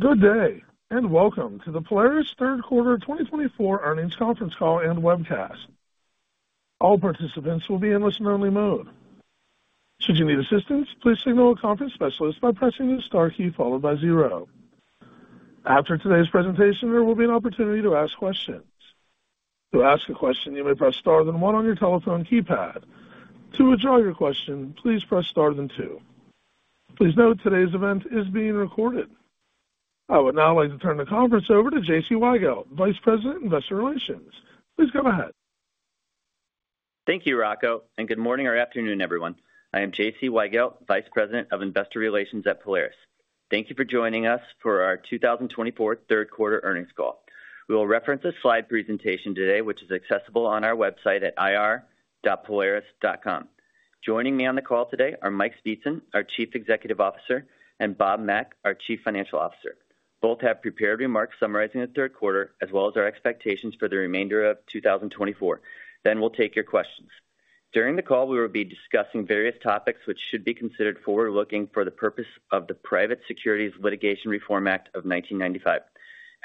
Good day, and welcome to the Polaris Q3 2024 earnings conference call and webcast. All participants will be in listen-only mode. Should you need assistance, please signal a conference specialist by pressing the star key followed by zero. After today's presentation, there will be an opportunity to ask questions. To ask a question, you may press star then one on your telephone keypad. To withdraw your question, please press Star then two. Please note, today's event is being recorded. I would now like to turn the conference over to J.C. Weigelt, Vice President, Investor Relations. Please go ahead. Thank you, Rocco, and good morning or afternoon, everyone. I am J.C. Weigelt, Vice President of Investor Relations at Polaris. Thank you for joining us for our two thousand and twenty-four third quarter earnings call. We will reference a slide presentation today, which is accessible on our website at ir.polaris.com. Joining me on the call today are Mike Speetzen, our Chief Executive Officer, and Bob Mack, our Chief Financial Officer. Both have prepared remarks summarizing the Q3, as well as our expectations for the remainder of 2024. Then we'll take your questions. During the call, we will be discussing various topics which should be considered forward-looking for the purpose of the Private Securities Litigation Reform Act of 1995.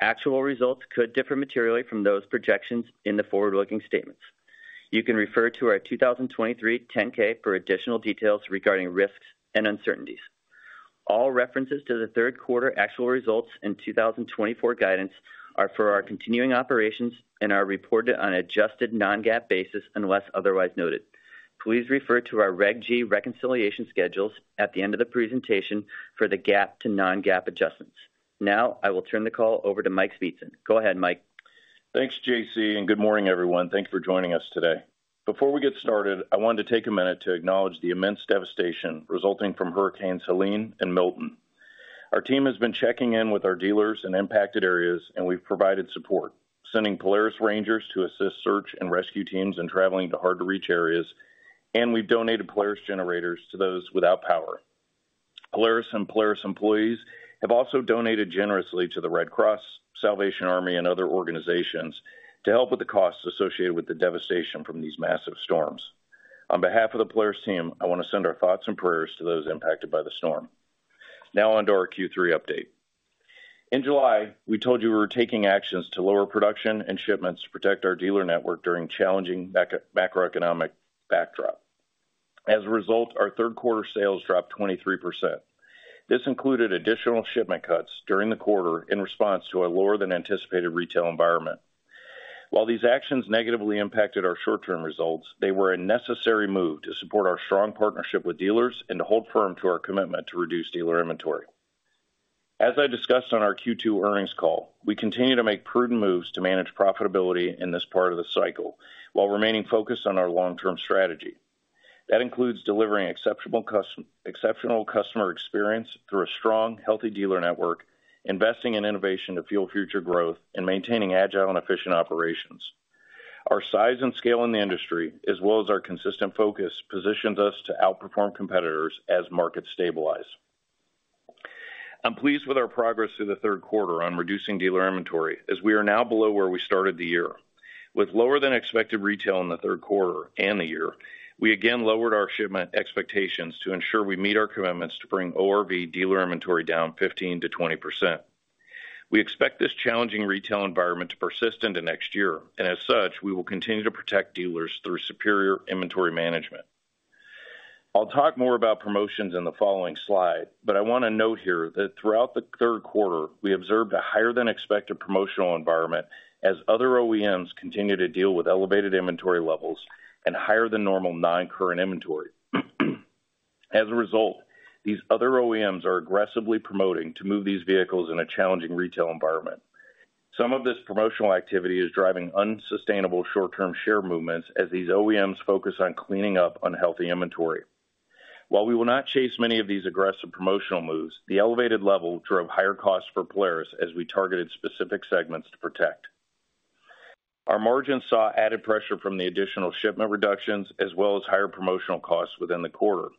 Actual results could differ materially from those projections in the forward-looking statements. You can refer to our 2023 10-K for additional details regarding risks and uncertainties. All references to the Q3 actual results in 2024 guidance are for our continuing operations and are reported on adjusted non-GAAP basis unless otherwise noted. Please refer to our Reg G reconciliation schedules at the end of the presentation for the GAAP to non-GAAP adjustments. Now, I will turn the call over to Mike Speetzen. Go ahead, Mike. Thanks, J.C., and good morning, everyone. Thanks for joining us today. Before we get started, I wanted to take a minute to acknowledge the immense devastation resulting from Hurricane Helene and Milton. Our team has been checking in with our dealers in impacted areas, and we've provided support, sending Polaris Rangers to assist search and rescue teams in traveling to hard-to-reach areas, and we've donated Polaris generators to those without power. Polaris and Polaris employees have also donated generously to the Red Cross, Salvation Army, and other organizations to help with the costs associated with the devastation from these massive storms. On behalf of the Polaris team, I want to send our thoughts and prayers to those impacted by the storm. Now on to our Q3 update. In July, we told you we were taking actions to lower production and shipments to protect our dealer network during challenging macroeconomic backdrop. As a result, our Q3 sales dropped 23%. This included additional shipment cuts during the quarter in response to a lower than anticipated retail environment. While these actions negatively impacted our short-term results, they were a necessary move to support our strong partnership with dealers and to hold firm to our commitment to reduce dealer inventory. As I discussed on our Q2 earnings call, we continue to make prudent moves to manage profitability in this part of the cycle, while remaining focused on our long-term strategy. That includes delivering exceptional customer experience through a strong, healthy dealer network, investing in innovation to fuel future growth, and maintaining agile and efficient operations. Our size and scale in the industry, as well as our consistent focus, positions us to outperform competitors as markets stabilize. I'm pleased with our progress through the Q3 on reducing dealer inventory, as we are now below where we started the year. With lower than expected retail in the Q3 and the year, we again lowered our shipment expectations to ensure we meet our commitments to bring ORV dealer inventory down 15%-20%. We expect this challenging retail environment to persist into next year, and as such, we will continue to protect dealers through superior inventory management. I'll talk more about promotions in the following slide, but I want to note here that throughout the Q3, we observed a higher than expected promotional environment as other OEMs continue to deal with elevated inventory levels and higher than normal non-current inventory. As a result, these other OEMs are aggressively promoting to move these vehicles in a challenging retail environment. Some of this promotional activity is driving unsustainable short-term share movements as these OEMs focus on cleaning up unhealthy inventory. While we will not chase many of these aggressive promotional moves, the elevated level drove higher costs for Polaris as we targeted specific segments to protect. Our margin saw added pressure from the additional shipment reductions as well as higher promotional costs within the quarter.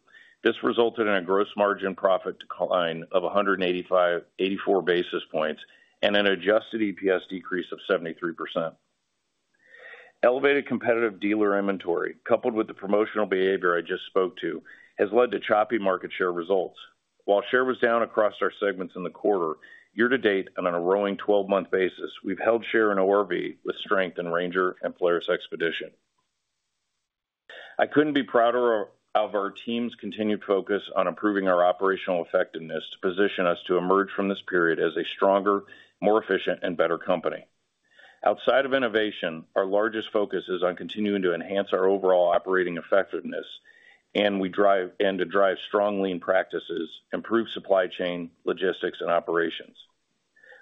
This resulted in a gross margin profit decline of a hundred and eighty-five-- eighty-four basis points and an adjusted EPS decrease of seventy-three%. Elevated competitive dealer inventory, coupled with the promotional behavior I just spoke to, has led to choppy market share results. While share was down across our segments in the quarter, year to date, and on a rolling 12-month basis, we've held share in ORV with strength in Ranger and Polaris XPEDITION. I couldn't be prouder of our team's continued focus on improving our operational effectiveness to position us to emerge from this period as a stronger, more efficient, and better company. Outside of innovation, our largest focus is on continuing to enhance our overall operating effectiveness, and to drive strong lean practices, improve supply chain, logistics, and operations.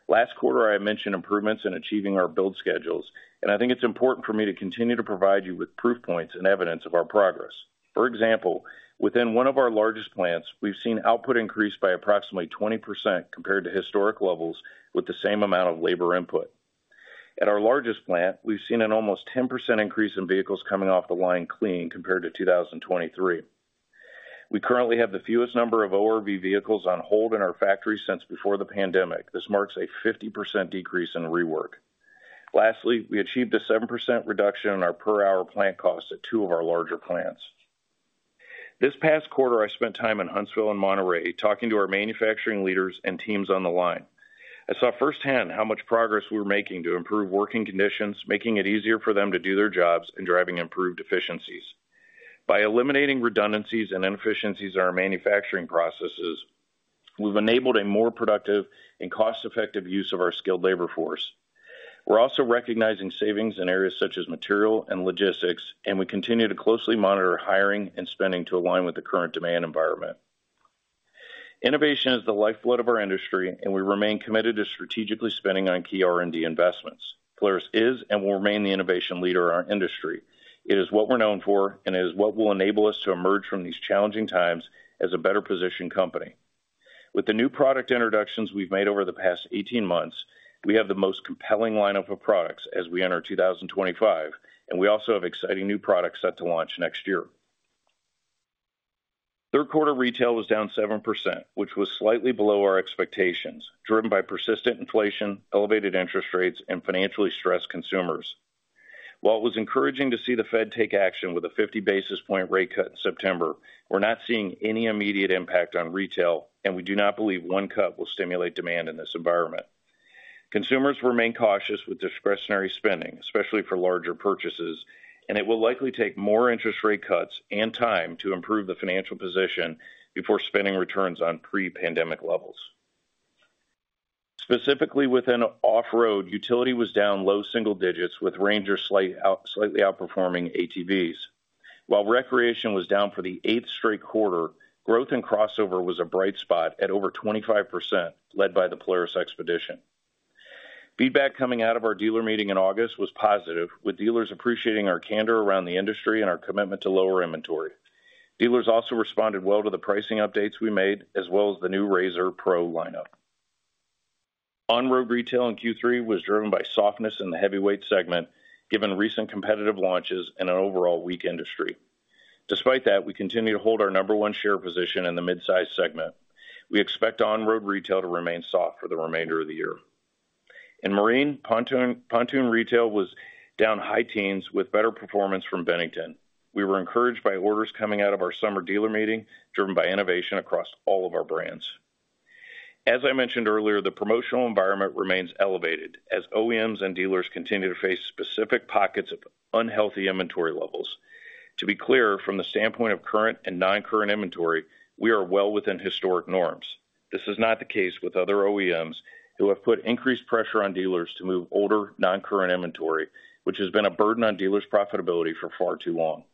Last quarter, I mentioned improvements in achieving our build schedules, and I think it's important for me to continue to provide you with proof points and evidence of our progress. For example, within one of our largest plants, we've seen output increase by approximately 20% compared to historic levels with the same amount of labor input. At our largest plant, we've seen an almost 10% increase in vehicles coming off the line clean compared to 2023. We currently have the fewest number of ORV vehicles on hold in our factory since before the pandemic. This marks a 50% decrease in rework. Lastly, we achieved a 7% reduction in our per hour plant costs at two of our larger plants. This past quarter, I spent time in Huntsville and Monterrey talking to our manufacturing leaders and teams on the line. I saw firsthand how much progress we're making to improve working conditions, making it easier for them to do their jobs and driving improved efficiencies. By eliminating redundancies and inefficiencies in our manufacturing processes, we've enabled a more productive and cost-effective use of our skilled labor force. We're also recognizing savings in areas such as material and logistics, and we continue to closely monitor hiring and spending to align with the current demand environment. Innovation is the lifeblood of our industry, and we remain committed to strategically spending on key R&D investments. Polaris is and will remain the innovation leader in our industry. It is what we're known for, and it is what will enable us to emerge from these challenging times as a better-positioned company. With the new product introductions we've made over the past eighteen months, we have the most compelling lineup of products as we enter 2025, and we also have exciting new products set to launch next year. Third quarter retail was down 7%, which was slightly below our expectations, driven by persistent inflation, elevated interest rates, and financially stressed consumers. While it was encouraging to see the Fed take action with a 50 basis points rate cut in September, we're not seeing any immediate impact on retail, and we do not believe one cut will stimulate demand in this environment. Consumers remain cautious with discretionary spending, especially for larger purchases, and it will likely take more interest rate cuts and time to improve the financial position before spending returns on pre-pandemic levels. Specifically, within off-road, utility was down low single digits, with Ranger slightly outperforming ATVs. While recreation was down for the eighth straight quarter, growth in Crossover was a bright spot at over 25%, led by the Polaris XPEDITION. Feedback coming out of our dealer meeting in August was positive, with dealers appreciating our candor around the industry and our commitment to lower inventory. Dealers also responded well to the pricing updates we made, as well as the new RZR Pro lineup. On-road retail in Q3 was driven by softness in the heavyweight segment, given recent competitive launches and an overall weak industry. Despite that, we continue to hold our number one share position in the mid-size segment. We expect on-road retail to remain soft for the remainder of the year. In Marine, pontoon retail was down high teens with better performance from Bennington. We were encouraged by orders coming out of our summer dealer meeting, driven by innovation across all of our brands. As I mentioned earlier, the promotional environment remains elevated as OEMs and dealers continue to face specific pockets of unhealthy inventory levels. To be clear, from the standpoint of current and non-current inventory, we are well within historic norms. This is not the case with other OEMs who have put increased pressure on dealers to move older, non-current inventory, which has been a burden on dealers' profitability for far too long.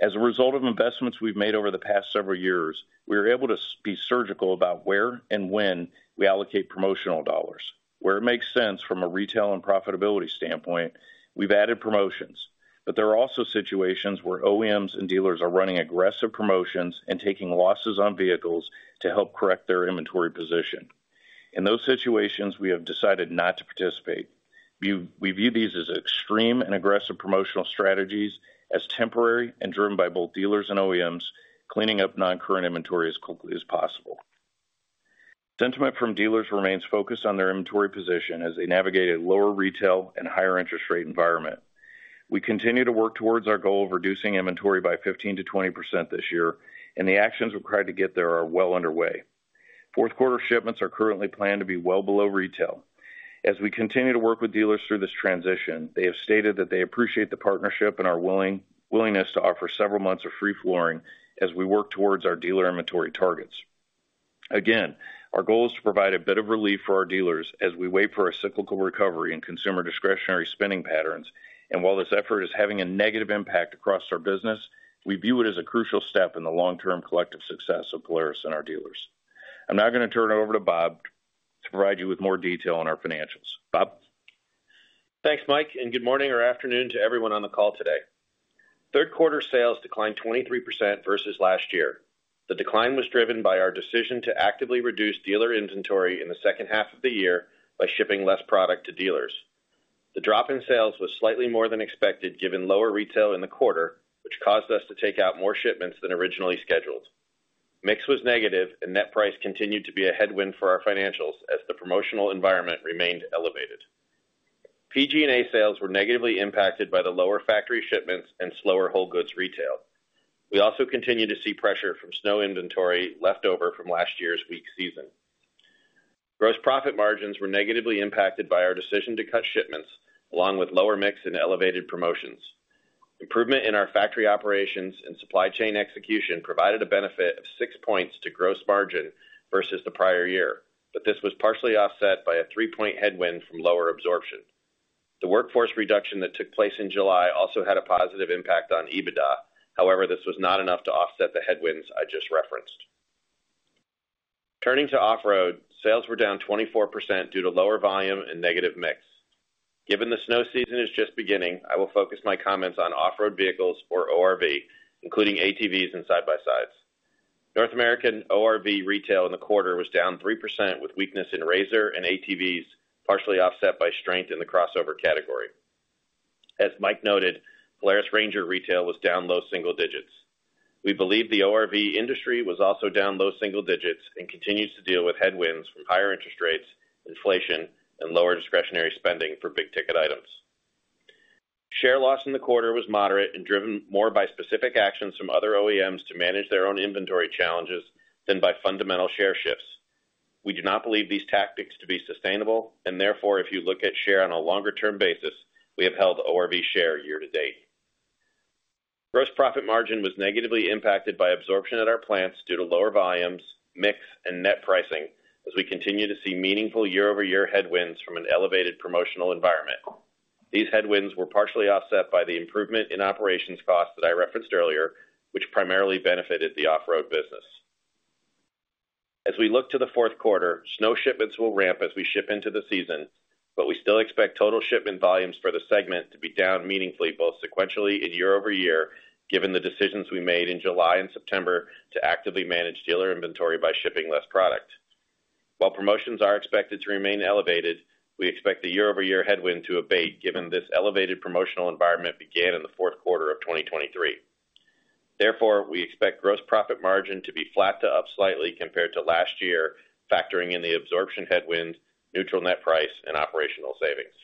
As a result of investments we've made over the past several years, we are able to be surgical about where and when we allocate promotional dollars. Where it makes sense from a retail and profitability standpoint, we've added promotions, but there are also situations where OEMs and dealers are running aggressive promotions and taking losses on vehicles to help correct their inventory position. In those situations, we have decided not to participate. We view these as extreme and aggressive promotional strategies as temporary and driven by both dealers and OEMs, cleaning up non-current inventory as quickly as possible. Sentiment from dealers remains focused on their inventory position as they navigate a lower retail and higher interest rate environment. We continue to work towards our goal of reducing inventory by 15%-20% this year, and the actions we've tried to get there are well underway. Fourth quarter shipments are currently planned to be well below retail. As we continue to work with dealers through this transition, they have stated that they appreciate the partnership and willingness to offer several months of free flooring as we work towards our dealer inventory targets. Again, our goal is to provide a bit of relief for our dealers as we wait for a cyclical recovery in consumer discretionary spending patterns. While this effort is having a negative impact across our business, we view it as a crucial step in the long-term collective success of Polaris and our dealers. I'm now going to turn it over to Bob to provide you with more detail on our financials. Bob? Thanks, Mike, and good morning or afternoon to everyone on the call today. Third quarter sales declined 23% versus last year. The decline was driven by our decision to actively reduce dealer inventory in the second half of the year by shipping less product to dealers. The drop in sales was slightly more than expected, given lower retail in the quarter, which caused us to take out more shipments than originally scheduled. Mix was negative and net price continued to be a headwind for our financials as the promotional environment remained elevated. PG&A sales were negatively impacted by the lower factory shipments and slower whole goods retail. We also continue to see pressure from snow inventory left over from last year's weak season. Gross profit margins were negatively impacted by our decision to cut shipments, along with lower mix and elevated promotions. Improvement in our factory operations and supply chain execution provided a benefit of six points to gross margin versus the prior year, but this was partially offset by a three-point headwind from lower absorption. The workforce reduction that took place in July also had a positive impact on EBITDA. However, this was not enough to offset the headwinds I just referenced. Turning to off-road, sales were down 24% due to lower volume and negative mix. Given the snow season is just beginning, I will focus my comments on off-road vehicles or ORV, including ATVs and side-by-sides. North American ORV retail in the quarter was down 3%, with weakness in RZR and ATVs, partially offset by strength in the Crossover category. As Mike noted, Polaris Ranger retail was down low single digits. We believe the ORV industry was also down low single digits and continues to deal with headwinds from higher interest rates, inflation, and lower discretionary spending for big-ticket items. Share loss in the quarter was moderate and driven more by specific actions from other OEMs to manage their own inventory challenges than by fundamental share shifts. We do not believe these tactics to be sustainable, and therefore, if you look at share on a longer-term basis, we have held ORV share year to date. Gross profit margin was negatively impacted by absorption at our plants due to lower volumes, mix, and net pricing, as we continue to see meaningful year-over-year headwinds from an elevated promotional environment. These headwinds were partially offset by the improvement in operations costs that I referenced earlier, which primarily benefited the off-road business. As we look to the fourth quarter, snow shipments will ramp as we ship into the season, but we still expect total shipment volumes for the segment to be down meaningfully, both sequentially and year over year, given the decisions we made in July and September to actively manage dealer inventory by shipping less product. While promotions are expected to remain elevated, we expect the year-over-year headwind to abate, given this elevated promotional environment began in the Q4 of 2023. Therefore, we expect gross profit margin to be flat to up slightly compared to last year, factoring in the absorption headwind, neutral net price, and operational savings.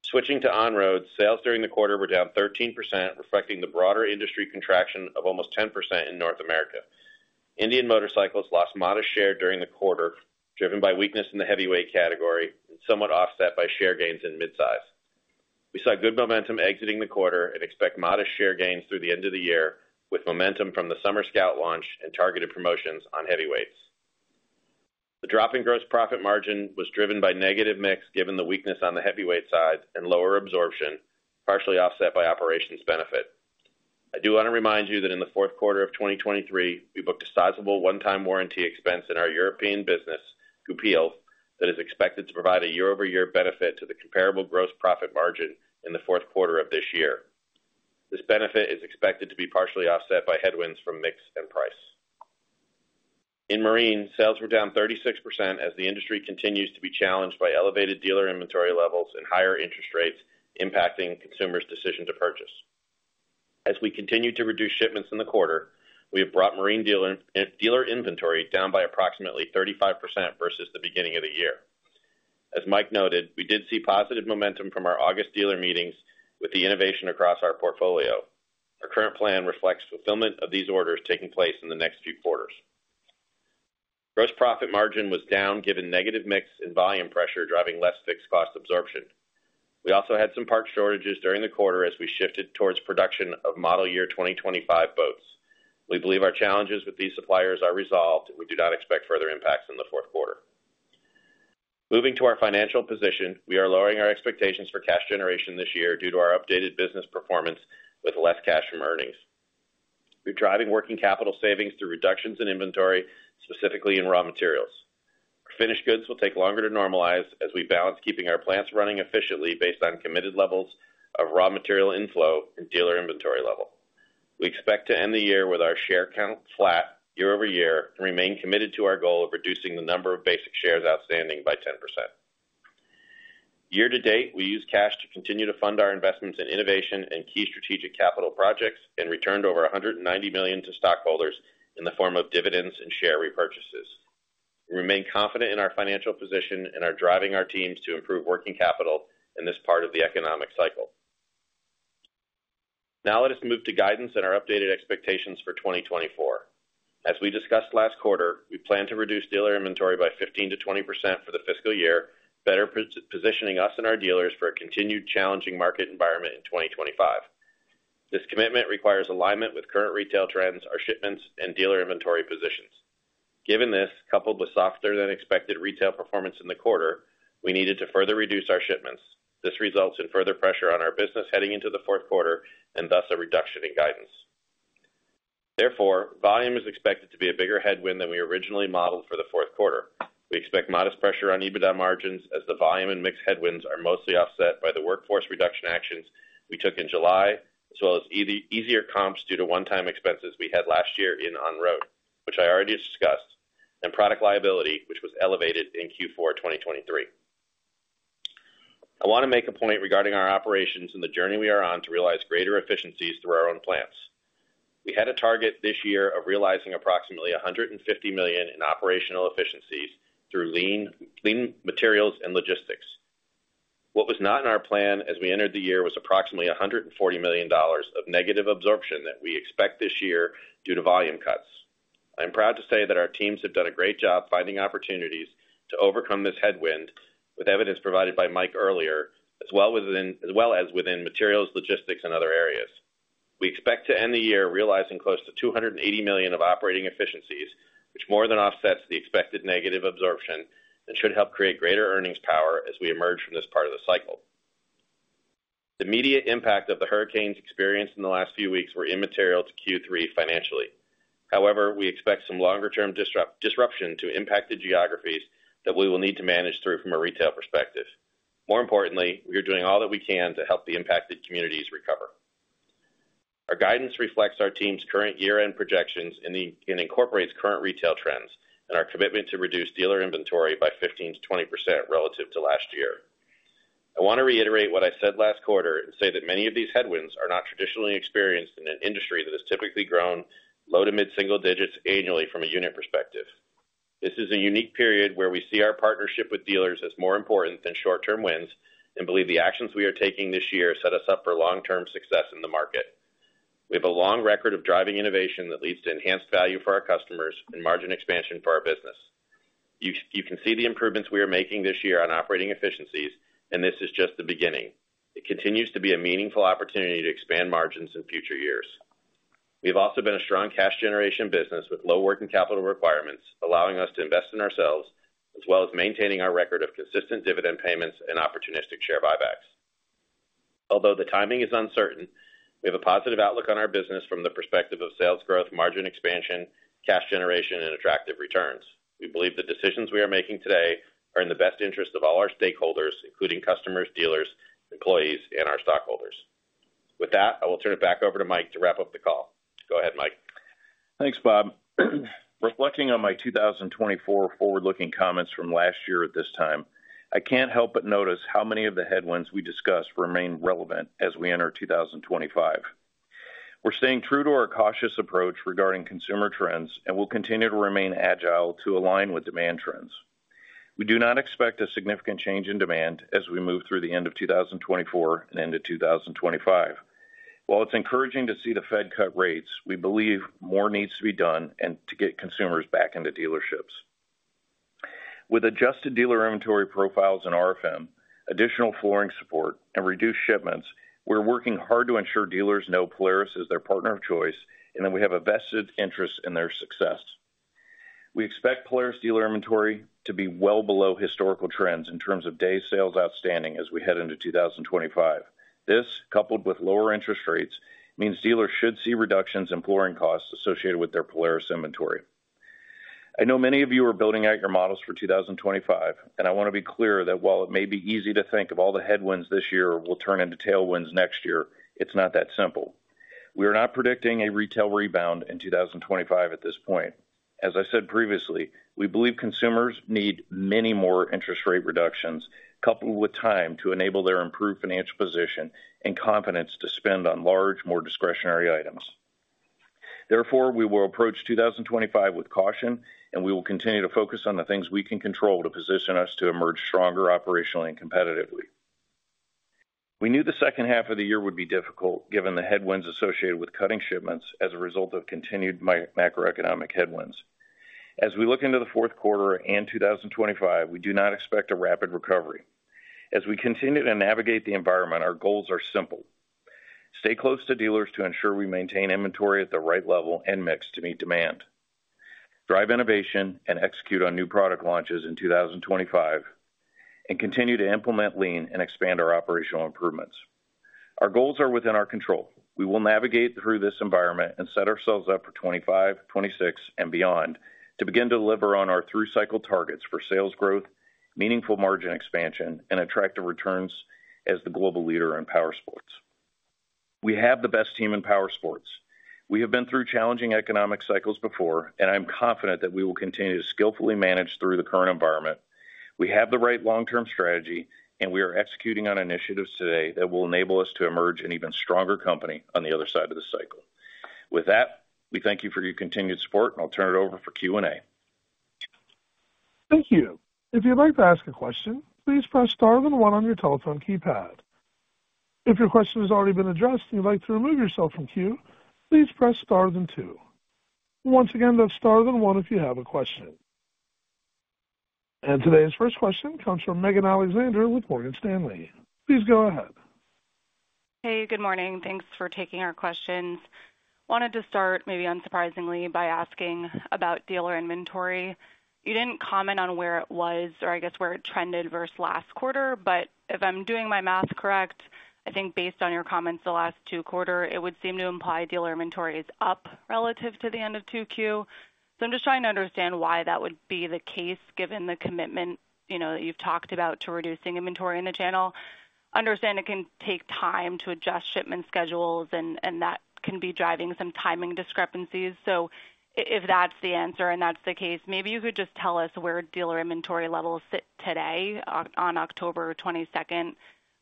Switching to on-road, sales during the quarter were down 13%, reflecting the broader industry contraction of almost 10% in North America. Indian Motorcycle lost modest share during the quarter, driven by weakness in the heavyweight category and somewhat offset by share gains in midsize. We saw good momentum exiting the quarter and expect modest share gains through the end of the year, with momentum from the Summer Scout launch and targeted promotions on heavyweights. The drop in gross profit margin was driven by negative mix, given the weakness on the heavyweight side and lower absorption, partially offset by operations benefit. I do want to remind you that in the Q4 of 2023, we booked a sizable one-time warranty expense in our European business, Goupil, that is expected to provide a year-over-year benefit to the comparable gross profit margin in the Q4 of this year. This benefit is expected to be partially offset by headwinds from mix and price. In Marine, sales were down 36% as the industry continues to be challenged by elevated dealer inventory levels and higher interest rates, impacting consumers' decision to purchase. As we continue to reduce shipments in the quarter, we have brought marine dealer inventory down by approximately 35% versus the beginning of the year. As Mike noted, we did see positive momentum from our August dealer meetings with the innovation across our portfolio. Our current plan reflects fulfillment of these orders taking place in the next few quarters. Gross profit margin was down, given negative mix and volume pressure, driving less fixed cost absorption. We also had some part shortages during the quarter as we shifted towards production of model year 2025 boats. We believe our challenges with these suppliers are resolved, and we do not expect further impacts in the fourth quarter. Moving to our financial position, we are lowering our expectations for cash generation this year due to our updated business performance with less cash from earnings. We're driving working capital savings through reductions in inventory, specifically in raw materials. Our finished goods will take longer to normalize as we balance keeping our plants running efficiently based on committed levels of raw material inflow and dealer inventory level. We expect to end the year with our share count flat year over year, and remain committed to our goal of reducing the number of basic shares outstanding by 10%. Year to date, we used cash to continue to fund our investments in innovation and key strategic capital projects, and returned over $190 million to stockholders in the form of dividends and share repurchases. We remain confident in our financial position and are driving our teams to improve working capital in this part of the economic cycle. Now let us move to guidance and our updated expectations for 2024. As we discussed last quarter, we plan to reduce dealer inventory by 15%-20% for the fiscal year, better positioning us and our dealers for a continued challenging market environment in 2025. This commitment requires alignment with current retail trends, our shipments, and dealer inventory positions. Given this, coupled with softer-than-expected retail performance in the quarter, we needed to further reduce our shipments. This results in further pressure on our business heading into the fourth quarter and thus a reduction in guidance. Therefore, volume is expected to be a bigger headwind than we originally modeled for the fourth quarter. We expect modest pressure on EBITDA margins as the volume and mix headwinds are mostly offset by the workforce reduction actions we took in July, as well as easier comps due to one-time expenses we had last year in on-road, which I already discussed, and product liability, which was elevated in Q4 2023. I want to make a point regarding our operations and the journey we are on to realize greater efficiencies through our own plants. We had a target this year of realizing approximately $150 million in operational efficiencies through lean, lean materials and logistics. What was not in our plan as we entered the year was approximately $140 million of negative absorption that we expect this year due to volume cuts. I'm proud to say that our teams have done a great job finding opportunities to overcome this headwind, with evidence provided by Mike earlier, as well as within materials, logistics, and other areas. We expect to end the year realizing close to $280 million of operating efficiencies, which more than offsets the expected negative absorption and should help create greater earnings power as we emerge from this part of the cycle. The immediate impact of the hurricanes experienced in the last few weeks were immaterial to Q3 financially. However, we expect some longer-term disruption to impact the geographies that we will need to manage through from a retail perspective. More importantly, we are doing all that we can to help the impacted communities recover. Our guidance reflects our team's current year-end projections and incorporates current retail trends and our commitment to reduce dealer inventory by 15%-20% relative to last year. I want to reiterate what I said last quarter and say that many of these headwinds are not traditionally experienced in an industry that has typically grown low to mid single digits annually from a unit perspective. This is a unique period where we see our partnership with dealers as more important than short-term wins, and believe the actions we are taking this year set us up for long-term success in the market. We have a long record of driving innovation that leads to enhanced value for our customers and margin expansion for our business. You can see the improvements we are making this year on operating efficiencies, and this is just the beginning. It continues to be a meaningful opportunity to expand margins in future years. We've also been a strong cash generation business with low working capital requirements, allowing us to invest in ourselves, as well as maintaining our record of consistent dividend payments and opportunistic share buybacks. Although the timing is uncertain, we have a positive outlook on our business from the perspective of sales growth, margin expansion, cash generation, and attractive returns. We believe the decisions we are making today are in the best interest of all our stakeholders, including customers, dealers, employees, and our stockholders. With that, I will turn it back over to Mike to wrap up the call. Go ahead, Mike. Thanks, Bob. Reflecting on my 2024 forward-looking comments from last year at this time, I can't help but notice how many of the headwinds we discussed remain relevant as we enter 2025. We're staying true to our cautious approach regarding consumer trends and will continue to remain agile to align with demand trends. We do not expect a significant change in demand as we move through the end of 2024 and into 2025. While it's encouraging to see the Fed cut rates, we believe more needs to be done and to get consumers back into dealerships. With adjusted dealer inventory profiles and RFM, additional flooring support and reduced shipments, we're working hard to ensure dealers know Polaris is their partner of choice, and that we have a vested interest in their success. We expect Polaris dealer inventory to be well below historical trends in terms of day sales outstanding as we head into two thousand and twenty-five. This, coupled with lower interest rates, means dealers should see reductions in flooring costs associated with their Polaris inventory. I know many of you are building out your models for 2025, and I want to be clear that while it may be easy to think of all the headwinds this year will turn into tailwinds next year, it's not that simple. We are not predicting a retail rebound in 2025 at this point. As I said previously, we believe consumers need many more interest rate reductions, coupled with time to enable their improved financial position and confidence to spend on large, more discretionary items. Therefore, we will approach 2025 with caution, and we will continue to focus on the things we can control to position us to emerge stronger, operationally and competitively. We knew the second half of the year would be difficult, given the headwinds associated with cutting shipments as a result of continued macroeconomic headwinds. As we look into the Q4 and 2025, we do not expect a rapid recovery. As we continue to navigate the environment, our goals are simple: stay close to dealers to ensure we maintain inventory at the right level and mix to meet demand, drive innovation and execute on new product launches in 2025, and continue to implement Lean and expand our operational improvements. Our goals are within our control. We will navigate through this environment and set ourselves up for 2025, 2026 and beyond to begin to deliver on our through-cycle targets for sales growth, meaningful margin expansion, and attractive returns as the global leader in powersports. We have the best team in powersports. We have been through challenging economic cycles before, and I'm confident that we will continue to skillfully manage through the current environment. We have the right long-term strategy, and we are executing on initiatives today that will enable us to emerge an even stronger company on the other side of the cycle. With that, we thank you for your continued support, and I'll turn it over for Q&A. Thank you. If you'd like to ask a question, please press star then one on your telephone keypad. If your question has already been addressed and you'd like to remove yourself from queue, please press star then two. Once again, that's star then one, if you have a question. And today's first question comes from Megan Alexander with Morgan Stanley. Please go ahead. Hey, good morning. Thanks for taking our questions. Wanted to start, maybe unsurprisingly, by asking about dealer inventory. You didn't comment on where it was, or I guess, where it trended versus last quarter, but if I'm doing my math correct, I think based on your comments the last two quarter, it would seem to imply dealer inventory is up relative to the end of 2Q. So I'm just trying to understand why that would be the case, given the commitment, you know, that you've talked about to reducing inventory in the channel. Understand it can take time to adjust shipment schedules and that can be driving some timing discrepancies. So if that's the answer and that's the case, maybe you could just tell us where dealer inventory levels sit today, on 22 October,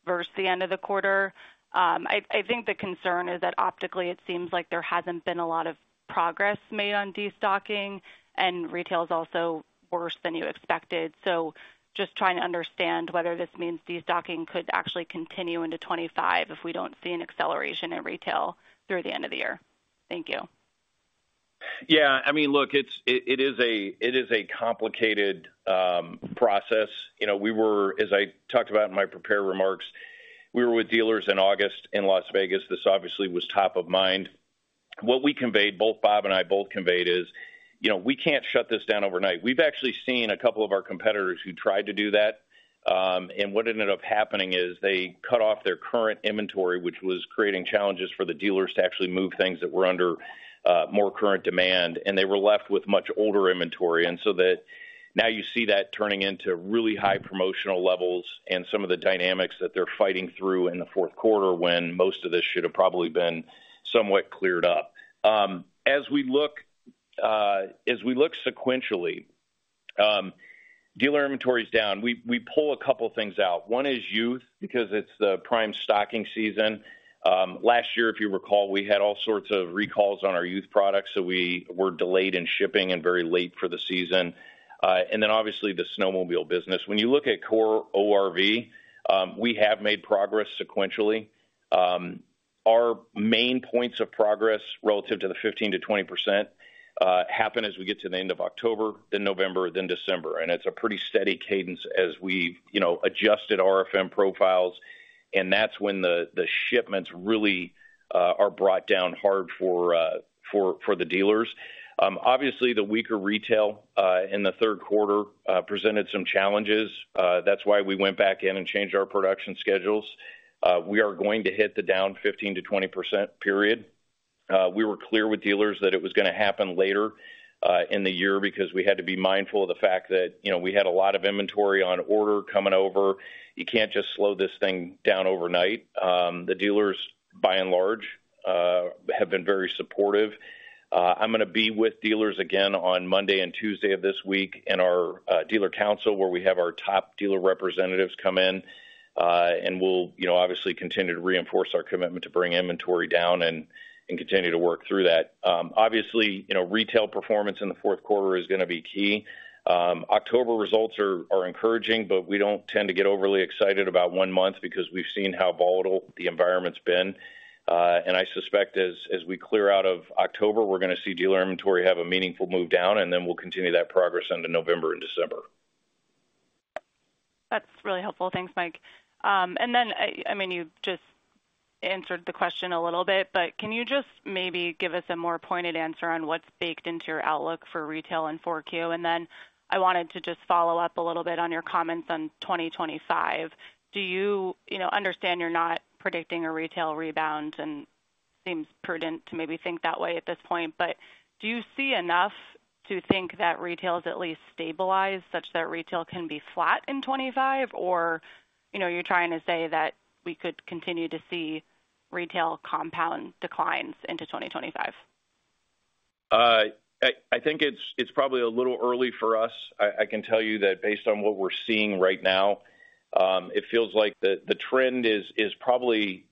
versus the end of the quarter. I think the concern is that optically, it seems like there hasn't been a lot of progress made on destocking, and retail is also worse than you expected. So just trying to understand whether this means destocking could actually continue into 2025 if we don't see an acceleration in retail through the end of the year. Thank you. Yeah, I mean, look, it's a complicated process. You know, we were, as I talked about in my prepared remarks, we were with dealers in August in Las Vegas. This obviously was top of mind. What we conveyed, both Bob and I both conveyed is, you know, we can't shut this down overnight. We've actually seen a couple of our competitors who tried to do that, and what ended up happening is they cut off their current inventory, which was creating challenges for the dealers to actually move things that were under more current demand, and they were left with much older inventory. And so that now you see that turning into really high promotional levels and some of the dynamics that they're fighting through in the fourth quarter, when most of this should have probably been somewhat cleared up. As we look sequentially, dealer inventory is down. We pull a couple of things out. One is youth, because it is the prime stocking season. Last year, if you recall, we had all sorts of recalls on our youth products, so we were delayed in shipping and very late for the season, and then obviously, the snowmobile business. When you look at core ORV, we have made progress sequentially. Our main points of progress relative to the 15%-20% happen as we get to the end of October, then November, then December, and it is a pretty steady cadence as we, you know, adjusted RFM profiles, and that is when the shipments really are brought down hard for the dealers. Obviously, the weaker retail in the third quarter presented some challenges. That's why we went back in and changed our production schedules. We are going to hit the down 15%-20% period. We were clear with dealers that it was going to happen later in the year because we had to be mindful of the fact that, you know, we had a lot of inventory on order coming over. You can't just slow this thing down overnight. The dealers, by and large, have been very supportive. I'm going to be with dealers again on Monday and Tuesday of this week in our dealer council, where we have our top dealer representatives come in, and we'll, you know, obviously continue to reinforce our commitment to bring inventory down and continue to work through that. Obviously, you know, retail performance in the fourth quarter is going to be key. October results are encouraging, but we don't tend to get overly excited about one month because we've seen how volatile the environment's been. And I suspect as we clear out of October, we're going to see dealer inventory have a meaningful move down, and then we'll continue that progress into November and December. That's really helpful. Thanks, Mike. And then, I mean, you just answered the question a little bit, but can you just maybe give us a more pointed answer on what's baked into your outlook for retail in 4Q? And then I wanted to just follow up a little bit on your comments on 2025. Do you, you know, understand you're not predicting a retail rebound and it seems prudent to maybe think that way at this point, but do you see enough to think that retail is at least stabilized, such that retail can be flat in 2025? Or, you know, you're trying to say that we could continue to see retail compound declines into 2025? I think it's probably a little early for us. I can tell you that based on what we're seeing right now, it feels like the trend is probably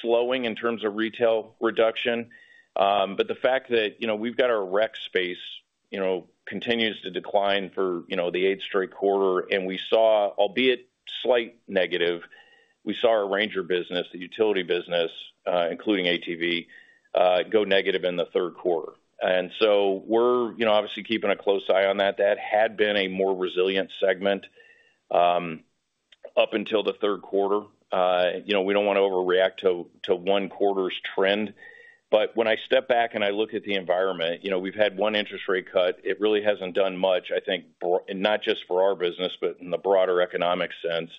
slowing in terms of retail reduction. But the fact that, you know, we've got our rec space, you know, continues to decline for, you know, the eighth straight quarter, and we saw, albeit slight negative, we saw our Ranger business, the utility business, including ATV, go negative in the third quarter. And so we're, you know, obviously keeping a close eye on that. That had been a more resilient segment up until the third quarter. You know, we don't want to overreact to one quarter's trend, but when I step back and I look at the environment, you know, we've had one interest rate cut. It really hasn't done much, I think, but not just for our business, but in the broader economic sense.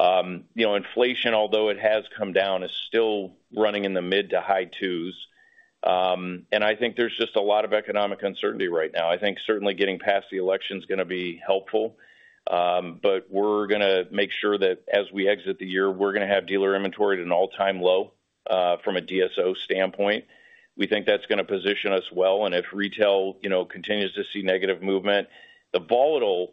You know, inflation, although it has come down, is still running in the mid to high twos. I think there's just a lot of economic uncertainty right now. I think certainly getting past the election is going to be helpful, but we're going to make sure that as we exit the year, we're going to have dealer inventory at an all-time low, from a DSO standpoint. We think that's going to position us well, and if retail, you know, continues to see negative movement, the volatility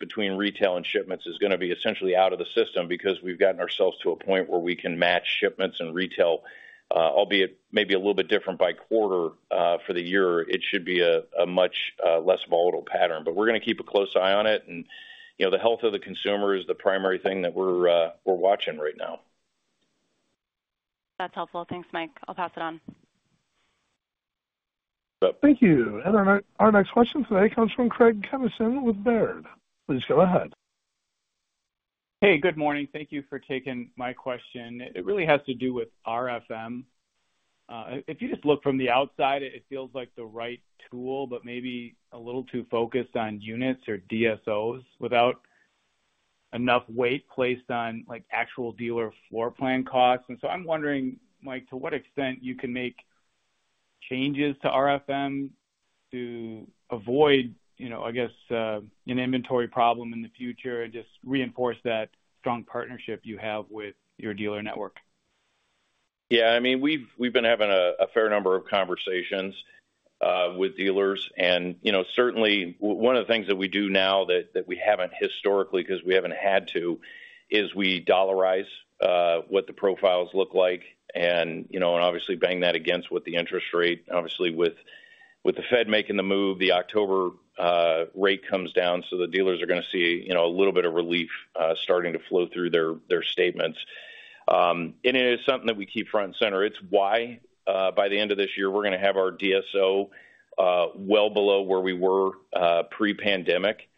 between retail and shipments is going to be essentially out of the system because we've gotten ourselves to a point where we can match shipments and retail, albeit maybe a little bit different by quarter, for the year, it should be a much less volatile pattern. But we're going to keep a close eye on it and, you know, the health of the consumer is the primary thing that we're watching right now. That's helpful. Thanks, Mike. I'll pass it on. Thank you. And our next question today comes from Craig Kennison with Baird. Please go ahead. Hey, good morning. Thank you for taking my question. It really has to do with RFM. If you just look from the outside, it feels like the right tool, but maybe a little too focused on units or DSOs without enough weight placed on, like, actual dealer floor plan costs. And so I'm wondering, Mike, to what extent you can make changes to RFM to avoid, you know, I guess, an inventory problem in the future and just reinforce that strong partnership you have with your dealer network? Yeah, I mean, we've been having a fair number of conversations with dealers. And, you know, certainly one of the things that we do now that we haven't historically, because we haven't had to, is we dollarize what the profiles look like and, you know, and obviously bang that against what the interest rate. Obviously, with the Fed making the move, the October rate comes down, so the dealers are going to see, you know, a little bit of relief starting to flow through their statements. And it is something that we keep front and center. It's why, by the end of this year, we're going to have our DSO well below where we were pre-pandemic.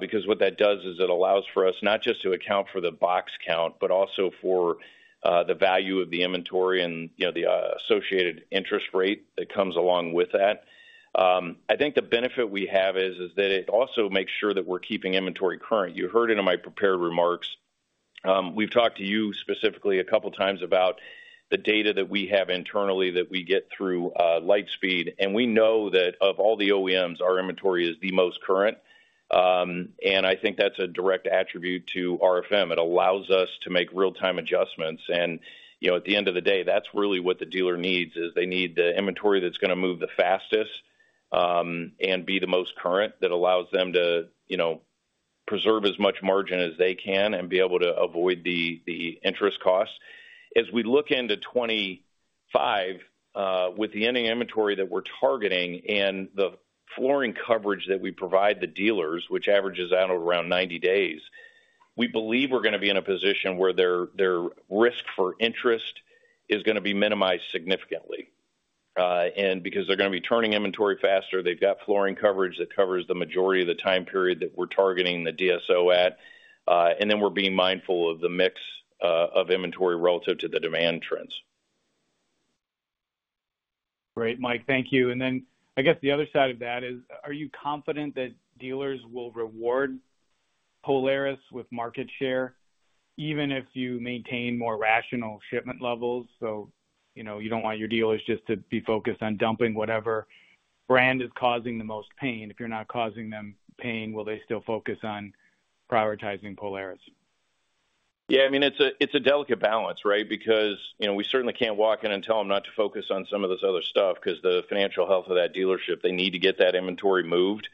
Because what that does is it allows for us not just to account for the box count, but also for the value of the inventory and, you know, the associated interest rate that comes along with that. I think the benefit we have is that it also makes sure that we're keeping inventory current. You heard it in my prepared remarks. We've talked to you specifically a couple times about the data that we have internally that we get through Lightspeed, and we know that of all the OEMs, our inventory is the most current. And I think that's a direct attribute to RFM. It allows us to make real-time adjustments, and, you know, at the end of the day, that's really what the dealer needs, is they need the inventory that's going to move the fastest, and be the most current, that allows them to, you know, preserve as much margin as they can and be able to avoid the interest costs. As we look into 2025, with the ending inventory that we're targeting and the flooring coverage that we provide the dealers, which averages out around 90 days, we believe we're going to be in a position where their risk for interest is going to be minimized significantly. And because they're going to be turning inventory faster, they've got flooring coverage that covers the majority of the time period that we're targeting the DSO at, and then we're being mindful of the mix of inventory relative to the demand trends. Great, Mike. Thank you. And then I guess the other side of that is, are you confident that dealers will reward Polaris with market share, even if you maintain more rational shipment levels? So, you know, you don't want your dealers just to be focused on dumping whatever brand is causing the most pain. If you're not causing them pain, will they still focus on prioritizing Polaris? Yeah, I mean, it's a delicate balance, right? Because, you know, we certainly can't walk in and tell them not to focus on some of this other stuff because the financial health of that dealership, they need to get that inventory moved.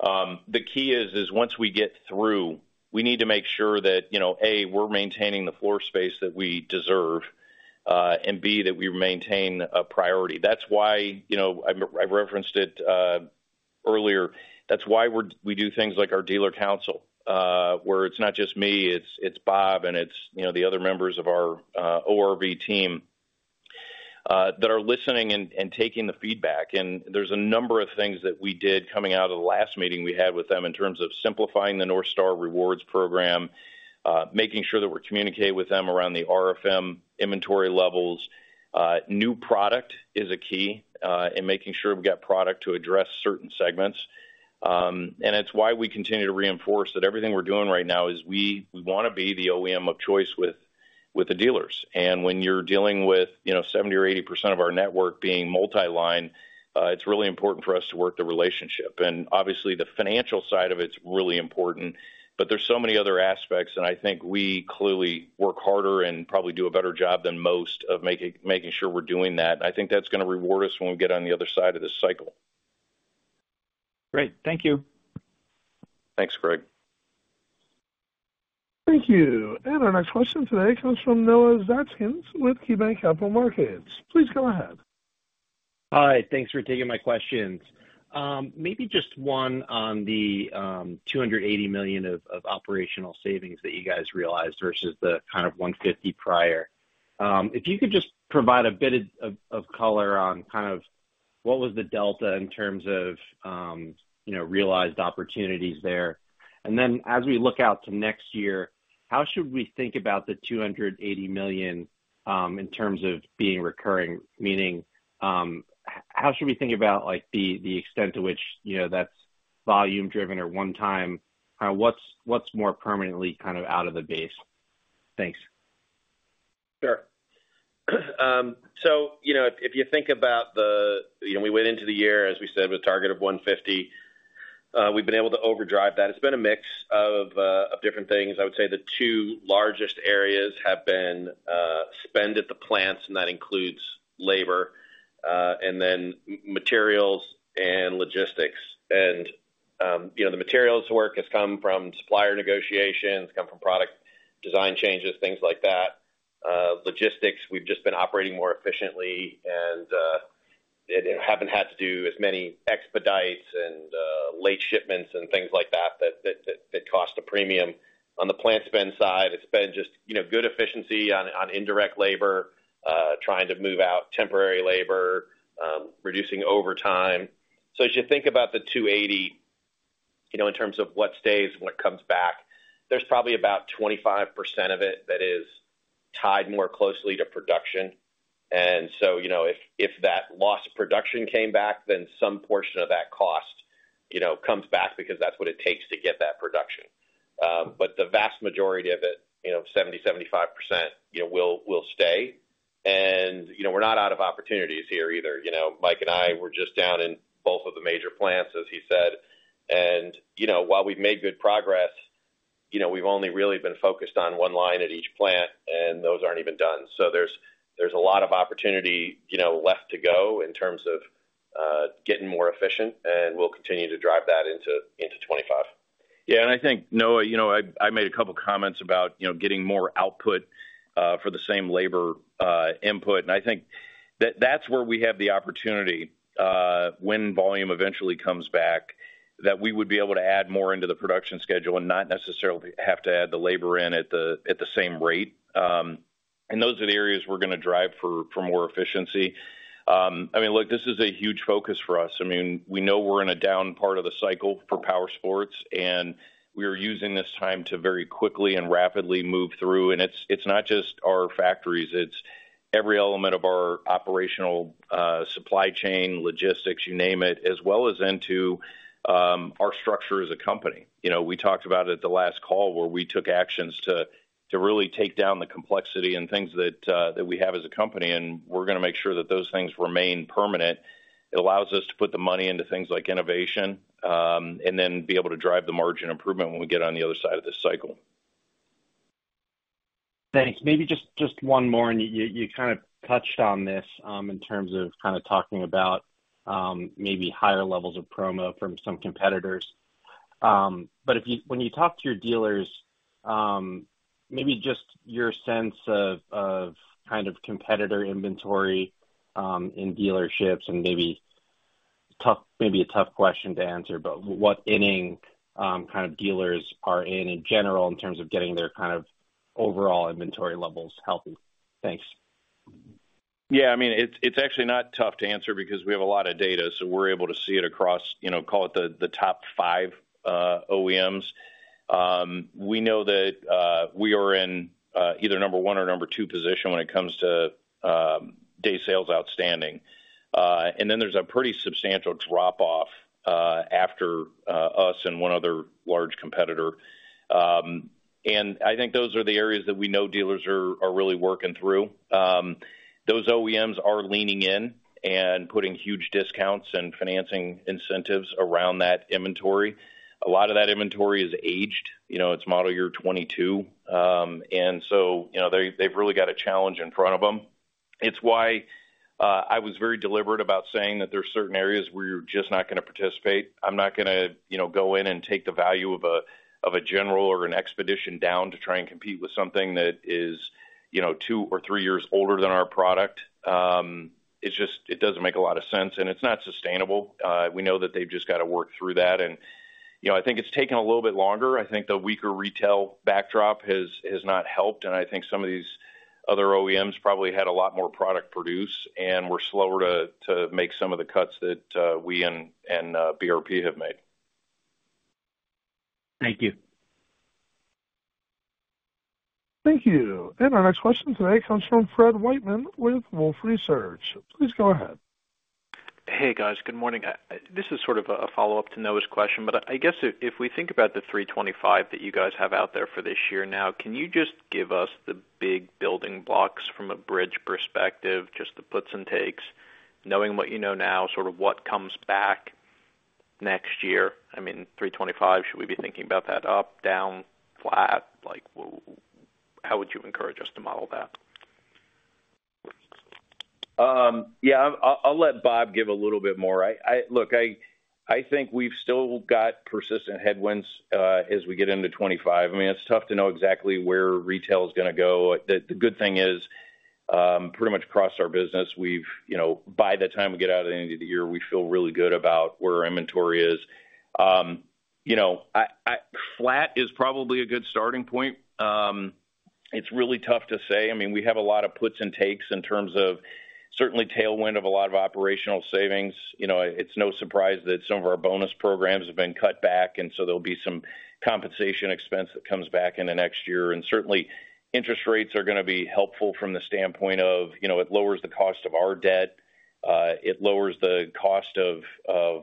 The key is once we get through, we need to make sure that, you know, A, we're maintaining the floor space that we deserve, and B, that we maintain a priority. That's why, you know, I've referenced it earlier. That's why we're, we do things like our dealer council, where it's not just me, it's Bob, and it's, you know, the other members of our ORV team that are listening and taking the feedback. There's a number of things that we did coming out of the last meeting we had with them in terms of simplifying the NorthStar Rewards program, making sure that we're communicating with them around the RFM inventory levels. New product is a key in making sure we've got product to address certain segments. It's why we continue to reinforce that everything we're doing right now is we want to be the OEM of choice with the dealers. When you're dealing with, you know, 70% or 80% of our network being multi-line, it's really important for us to work the relationship. Obviously, the financial side of it's really important, but there's so many other aspects, and I think we clearly work harder and probably do a better job than most of making sure we're doing that. I think that's going to reward us when we get on the other side of this cycle. Great. Thank you. Thanks, Greg. Thank you. And our next question today comes from Noah Zatzkin with KeyBanc Capital Markets. Please go ahead. Hi, thanks for taking my questions. Maybe just one on the $280 million of operational savings that you guys realized versus the kind of $150 million prior. If you could just provide a bit of color on kind of what was the delta in terms of, you know, realized opportunities there. And then as we look out to next year, how should we think about the $280 million in terms of being recurring? Meaning, how should we think about, like, the extent to which, you know, that's volume driven or one time? What's more permanently kind of out of the base? Thanks. Sure. So, you know, if you think about the, you know, we went into the year, as we said, with a target of $150. We've been able to overdrive that. It's been a mix of different things. I would say the two largest areas have been spend at the plants, and that includes labor, and then materials and logistics. And, you know, the materials work has come from supplier negotiations, come from product design changes, things like that. Logistics, we've just been operating more efficiently and haven't had to do as many expedites and late shipments and things like that that cost a premium. On the plant spend side, it's been just, you know, good efficiency on indirect labor, trying to move out temporary labor, reducing overtime. So as you think about the $280, you know, in terms of what stays and what comes back, there's probably about 25% of it that is tied more closely to production. And so, you know, if that lost production came back, then some portion of that cost, you know, comes back because that's what it takes to get that production. But the vast majority of it, you know, 70%-75%, you know, will stay. And, you know, we're not out of opportunities here either. You know, Mike and I were just down in both of the major plants, as he said, and, you know, while we've made good progress, you know, we've only really been focused on one line at each plant, and those aren't even done. So there's a lot of opportunity, you know, left to go in terms of getting more efficient, and we'll continue to drive that into 2025. Yeah, and I think, Noah, you know, I made a couple comments about, you know, getting more output for the same labor input. And I think that that's where we have the opportunity when volume eventually comes back, that we would be able to add more into the production schedule and not necessarily have to add the labor in at the same rate. And those are the areas we're going to drive for more efficiency. I mean, look, this is a huge focus for us. I mean, we know we're in a down part of the cycle for power sports, and we are using this time to very quickly and rapidly move through. And it's not just our factories, it's every element of our operational supply chain, logistics, you name it, as well as into our structure as a company. You know, we talked about it at the last call, where we took actions to really take down the complexity and things that we have as a company, and we're going to make sure that those things remain permanent. It allows us to put the money into things like innovation, and then be able to drive the margin improvement when we get on the other side of this cycle.... Thanks. Maybe just one more, and you kind of touched on this, in terms of kind of talking about, maybe higher levels of promo from some competitors. But if you-- when you talk to your dealers, maybe just your sense of kind of competitor inventory, in dealerships and maybe tough, maybe a tough question to answer, but what inning kind of dealers are in, in general, in terms of getting their kind of overall inventory levels healthy? Thanks. Yeah, I mean, it's, it's actually not tough to answer because we have a lot of data, so we're able to see it across, you know, call it the top five OEMs. We know that we are in either number one or number two position when it comes to day sales outstanding. And then there's a pretty substantial drop off after us and one other large competitor. And I think those are the areas that we know dealers are really working through. Those OEMs are leaning in and putting huge discounts and financing incentives around that inventory. A lot of that inventory is aged, you know, it's model year 2022. And so, you know, they've really got a challenge in front of them. It's why I was very deliberate about saying that there are certain areas where you're just not going to participate. I'm not going to, you know, go in and take the value of a General or an XPEDITION down to try and compete with something that is, you know, two or three years older than our product. It's just, it doesn't make a lot of sense, and it's not sustainable. We know that they've just got to work through that. And, you know, I think it's taken a little bit longer. I think the weaker retail backdrop has not helped, and I think some of these other OEMs probably had a lot more product produced and were slower to make some of the cuts that we and BRP have made. Thank you. Thank you. And our next question today comes from Fred Wightman with Wolfe Research. Please go ahead. Hey, guys. Good morning. This is sort of a follow-up to Noah's question, but I guess if we think about the 325 that you guys have out there for this year now, can you just give us the big building blocks from a bridge perspective, just the puts and takes, knowing what you know now, sort of what comes back next year? I mean, 325, should we be thinking about that up, down, flat? Like, how would you encourage us to model that? Yeah, I'll let Bob give a little bit more. Look, I think we've still got persistent headwinds as we get into 2025. I mean, it's tough to know exactly where retail is going to go. The good thing is, pretty much across our business we've, you know, by the time we get out of the end of the year, we feel really good about where our inventory is. You know, flat is probably a good starting point. It's really tough to say. I mean, we have a lot of puts and takes in terms of certainly tailwind of a lot of operational savings. You know, it's no surprise that some of our bonus programs have been cut back, and so there'll be some compensation expense that comes back in the next year. Certainly, interest rates are going to be helpful from the standpoint of, you know, it lowers the cost of our debt, it lowers the cost of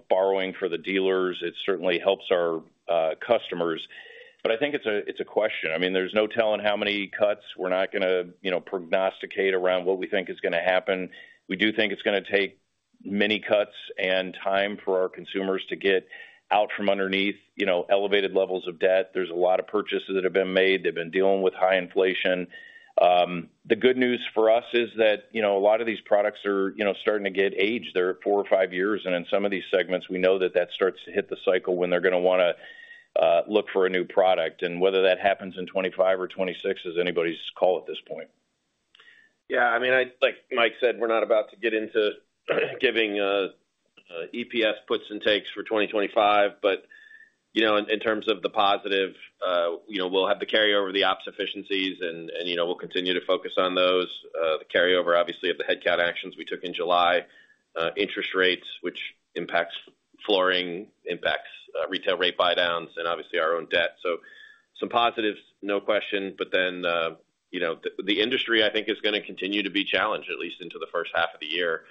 borrowing for the dealers. It certainly helps our customers. But I think it's a question. I mean, there's no telling how many cuts. We're not going to, you know, prognosticate around what we think is going to happen. We do think it's going to take many cuts and time for our consumers to get out from underneath, you know, elevated levels of debt. There's a lot of purchases that have been made. They've been dealing with high inflation. The good news for us is that, you know, a lot of these products are, you know, starting to get aged. They're four or five years, and in some of these segments, we know that that starts to hit the cycle when they're going to want to look for a new product, and whether that happens in 2025 or 2026 is anybody's call at this point. Yeah, I mean, like Mike said, we're not about to get into giving EPS puts and takes for 2025. But you know, in terms of the positive, you know, we'll have the carryover of the ops efficiencies, and you know, we'll continue to focus on those. The carryover, obviously, of the headcount actions we took in July. Interest rates, which impacts flooring, impacts retail rate buydowns, and obviously our own debt. So some positives, no question, but then you know, the industry, I think, is going to continue to be challenged, at least into the first half of the year.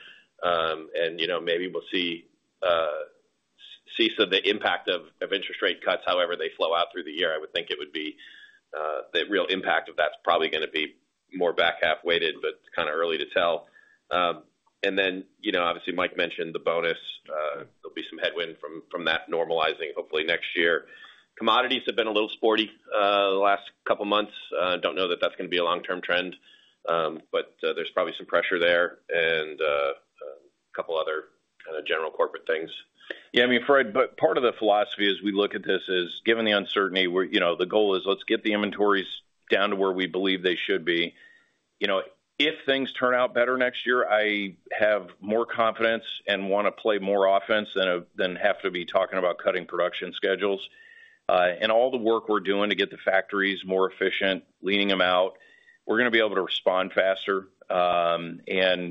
And you know, maybe we'll see some of the impact of interest rate cuts, however they flow out through the year. I would think it would be, the real impact of that's probably going to be more back half weighted, but kind of early to tell, and then, you know, obviously, Mike mentioned the bonus. There'll be some headwind from that normalizing hopefully next year. Commodities have been a little sporty, the last couple of months. Don't know that that's going to be a long-term trend, but there's probably some pressure there and a couple other kind of general corporate things. Yeah, I mean, Fred, but part of the philosophy as we look at this is, given the uncertainty, we're, you know, the goal is let's get the inventories down to where we believe they should be. You know, if things turn out better next year, I have more confidence and want to play more offense than have to be talking about cutting production schedules. And all the work we're doing to get the factories more efficient, leaning them out, we're going to be able to respond faster, and,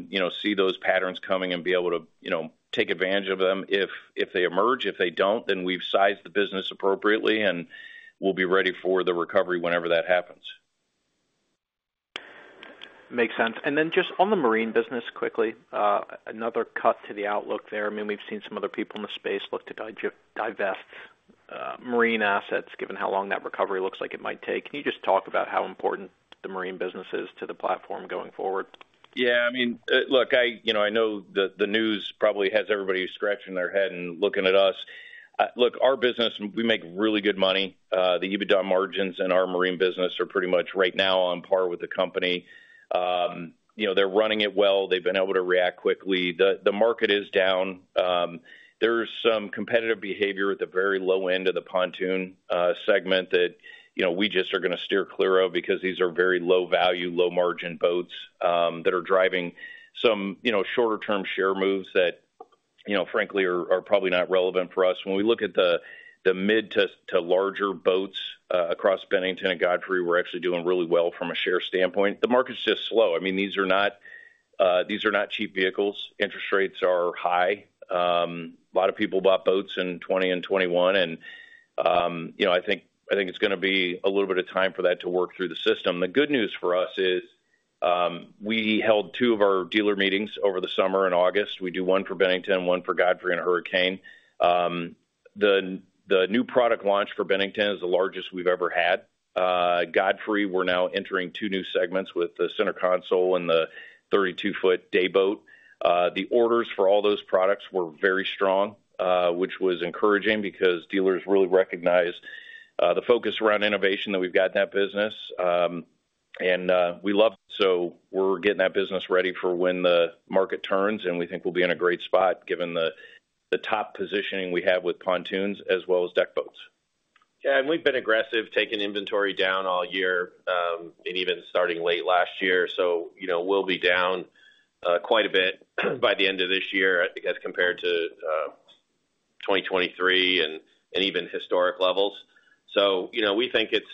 you know, see those patterns coming and be able to, you know, take advantage of them if they emerge. If they don't, then we've sized the business appropriately, and we'll be ready for the recovery whenever that happens. Makes sense. And then just on the marine business, quickly, another cut to the outlook there. I mean, we've seen some other people in the space look to divest, marine assets, given how long that recovery looks like it might take. Can you just talk about how important the marine business is to the platform going forward? Yeah, I mean, look, you know, I know the news probably has everybody scratching their head and looking at us. Look, our business, we make really good money. The EBITDA margins in our marine business are pretty much right now on par with the company. You know, they're running it well. They've been able to react quickly. The market is down. There's some competitive behavior at the very low end of the pontoon segment that, you know, we just are going to steer clear of because these are very low value, low-margin boats that are driving some, you know, shorter-term share moves that, you know, frankly, are probably not relevant for us. When we look at the mid to larger boats across Bennington and Godfrey, we're actually doing really well from a share standpoint. The market's just slow. I mean, these are not, these are not cheap vehicles. Interest rates are high. A lot of people bought boats in 2020 and 2021, and, you know, I think it's going to be a little bit of time for that to work through the system. The good news for us is, we held two of our dealer meetings over the summer in August. We do one for Bennington, one for Godfrey, and Hurricane. The new product launch for Bennington is the largest we've ever had. Godfrey, we're now entering two new segments with the center console and the thirty-two-foot day boat. The orders for all those products were very strong, which was encouraging because dealers really recognize, the focus around innovation that we've got in that business. We love it. So we're getting that business ready for when the market turns, and we think we'll be in a great spot given the top positioning we have with pontoons as well as deck boats. Yeah, and we've been aggressive taking inventory down all year, and even starting late last year. So, you know, we'll be down quite a bit by the end of this year as compared to 2023 and even historic levels. So, you know, we think it's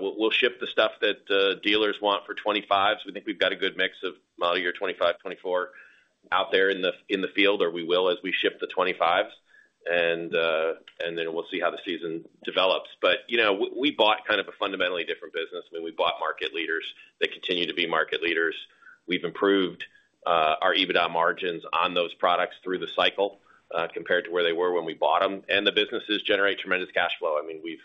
we'll ship the stuff that dealers want for 2025s. We think we've got a good mix of model year 2025, 2024 out there in the field, or we will as we ship the 2025s, and then we'll see how the season develops. But, you know, we bought kind of a fundamentally different business. I mean, we bought market leaders that continue to be market leaders. We've improved our EBITDA margins on those products through the cycle compared to where they were when we bought them, and the businesses generate tremendous cash flow. I mean, we've,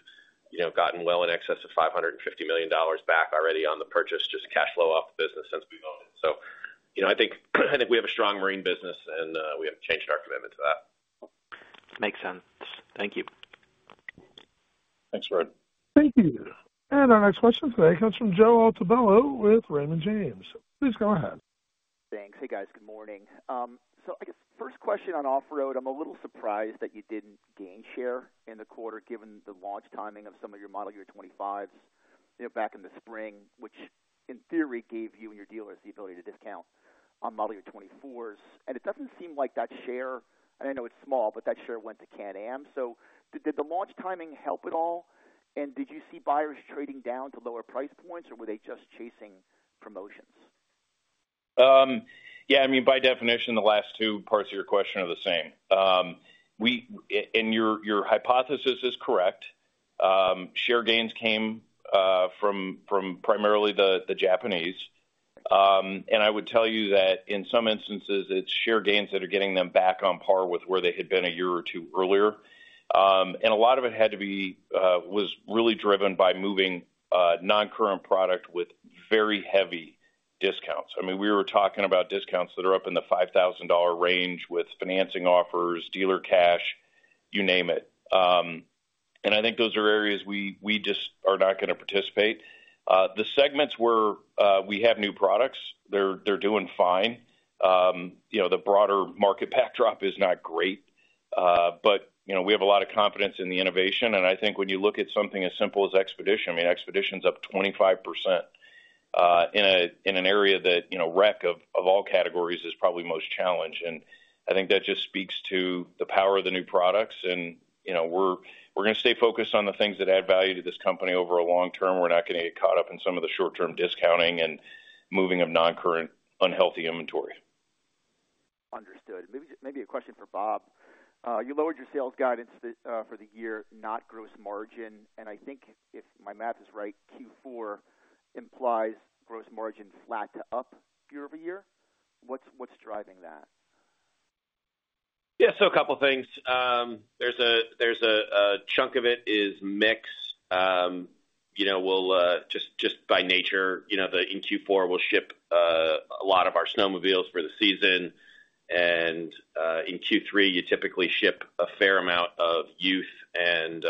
you know, gotten well in excess of $550 million back already on the purchase, just cash flow off the business since we bought it. So, you know, I think we have a strong marine business, and we haven't changed our commitment to that. Makes sense. Thank you. Thanks, Brian. Thank you. And our next question today comes from Joe Altobello with Raymond James. Please go ahead. Thanks. Hey, guys, good morning. So I guess first question on off-road, I'm a little surprised that you didn't gain share in the quarter, given the launch timing of some of your model year twenty-fives, you know, back in the spring, which in theory, gave you and your dealers the ability to discount on model year 2024s. And it doesn't seem like that share, and I know it's small, but that share went to Can-Am. So did the launch timing help at all? And did you see buyers trading down to lower price points, or were they just chasing promotions? Yeah, I mean, by definition, the last two parts of your question are the same. And your hypothesis is correct. Share gains came from primarily the Japanese. And I would tell you that in some instances, it's share gains that are getting them back on par with where they had been a year or two earlier. And a lot of it had to be was really driven by moving non-current product with very heavy discounts. I mean, we were talking about discounts that are up in the $5,000 range with financing offers, dealer cash, you name it. And I think those are areas we just are not going to participate. The segments where we have new products, they're doing fine. You know, the broader market backdrop is not great, but, you know, we have a lot of confidence in the innovation, and I think when you look at something as simple as XPEDITION, I mean, XPEDITION's up 25%, in an area that, you know, rec of all categories is probably most challenged. And I think that just speaks to the power of the new products. And, you know, we're going to stay focused on the things that add value to this company over a long term. We're not going to get caught up in some of the short-term discounting and moving of non-current, unhealthy inventory. Understood. Maybe, maybe a question for Bob. You lowered your sales guidance for the year, not gross margin, and I think if my math is right, Q4 implies gross margin flat to up year over year. What's driving that? Yeah, so a couple of things. There's a chunk of it is mix. You know, we'll just by nature, you know, then in Q4, we'll ship a lot of our snowmobiles for the season. And in Q3, you typically ship a fair amount of youth and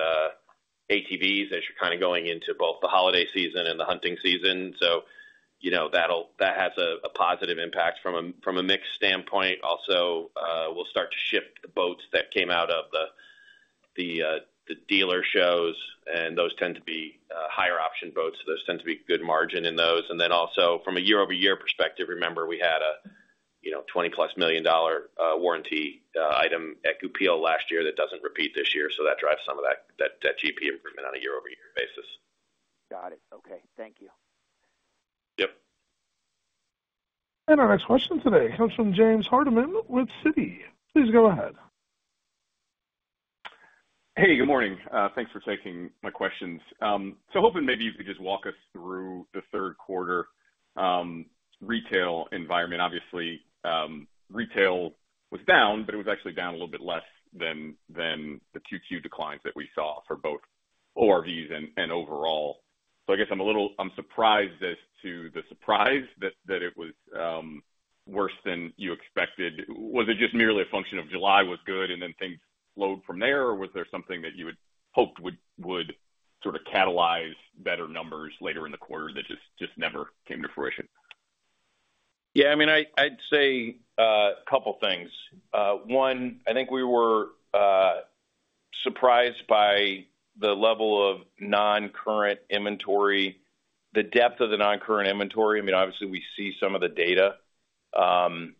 ATVs, as you're kind of going into both the holiday season and the hunting season. So, you know, that'll, that has a positive impact from a mix standpoint. Also, we'll start to ship the boats that came out of the dealer shows, and those tend to be higher option boats. Those tend to be good margin in those. From a year-over-year perspective, remember, we had a, you know, $20+million warranty item at Goupil last year that doesn't repeat this year, so that drives some of that GP improvement on a year-over-year basis. Got it. Okay. Thank you. Yep. Our next question today comes from James Hardiman with Citi. Please go ahead. Hey, good morning. Thanks for taking my questions. So hoping maybe you could just walk us through the Q3 retail environment. Obviously, retail was down, but it was actually down a little bit less than the Q2 declines that we saw for both ORVs and overall. So I guess I'm a little surprised as to the surprise that it was worse than you expected. Was it just merely a function of July was good, and then things flowed from there? Or was there something that you had hoped would sort of catalyze better numbers later in the quarter that just never came to fruition? Yeah, I mean, I'd say a couple things. One, I think we were surprised by the level of non-current inventory, the depth of the non-current inventory. I mean, obviously, we see some of the data, and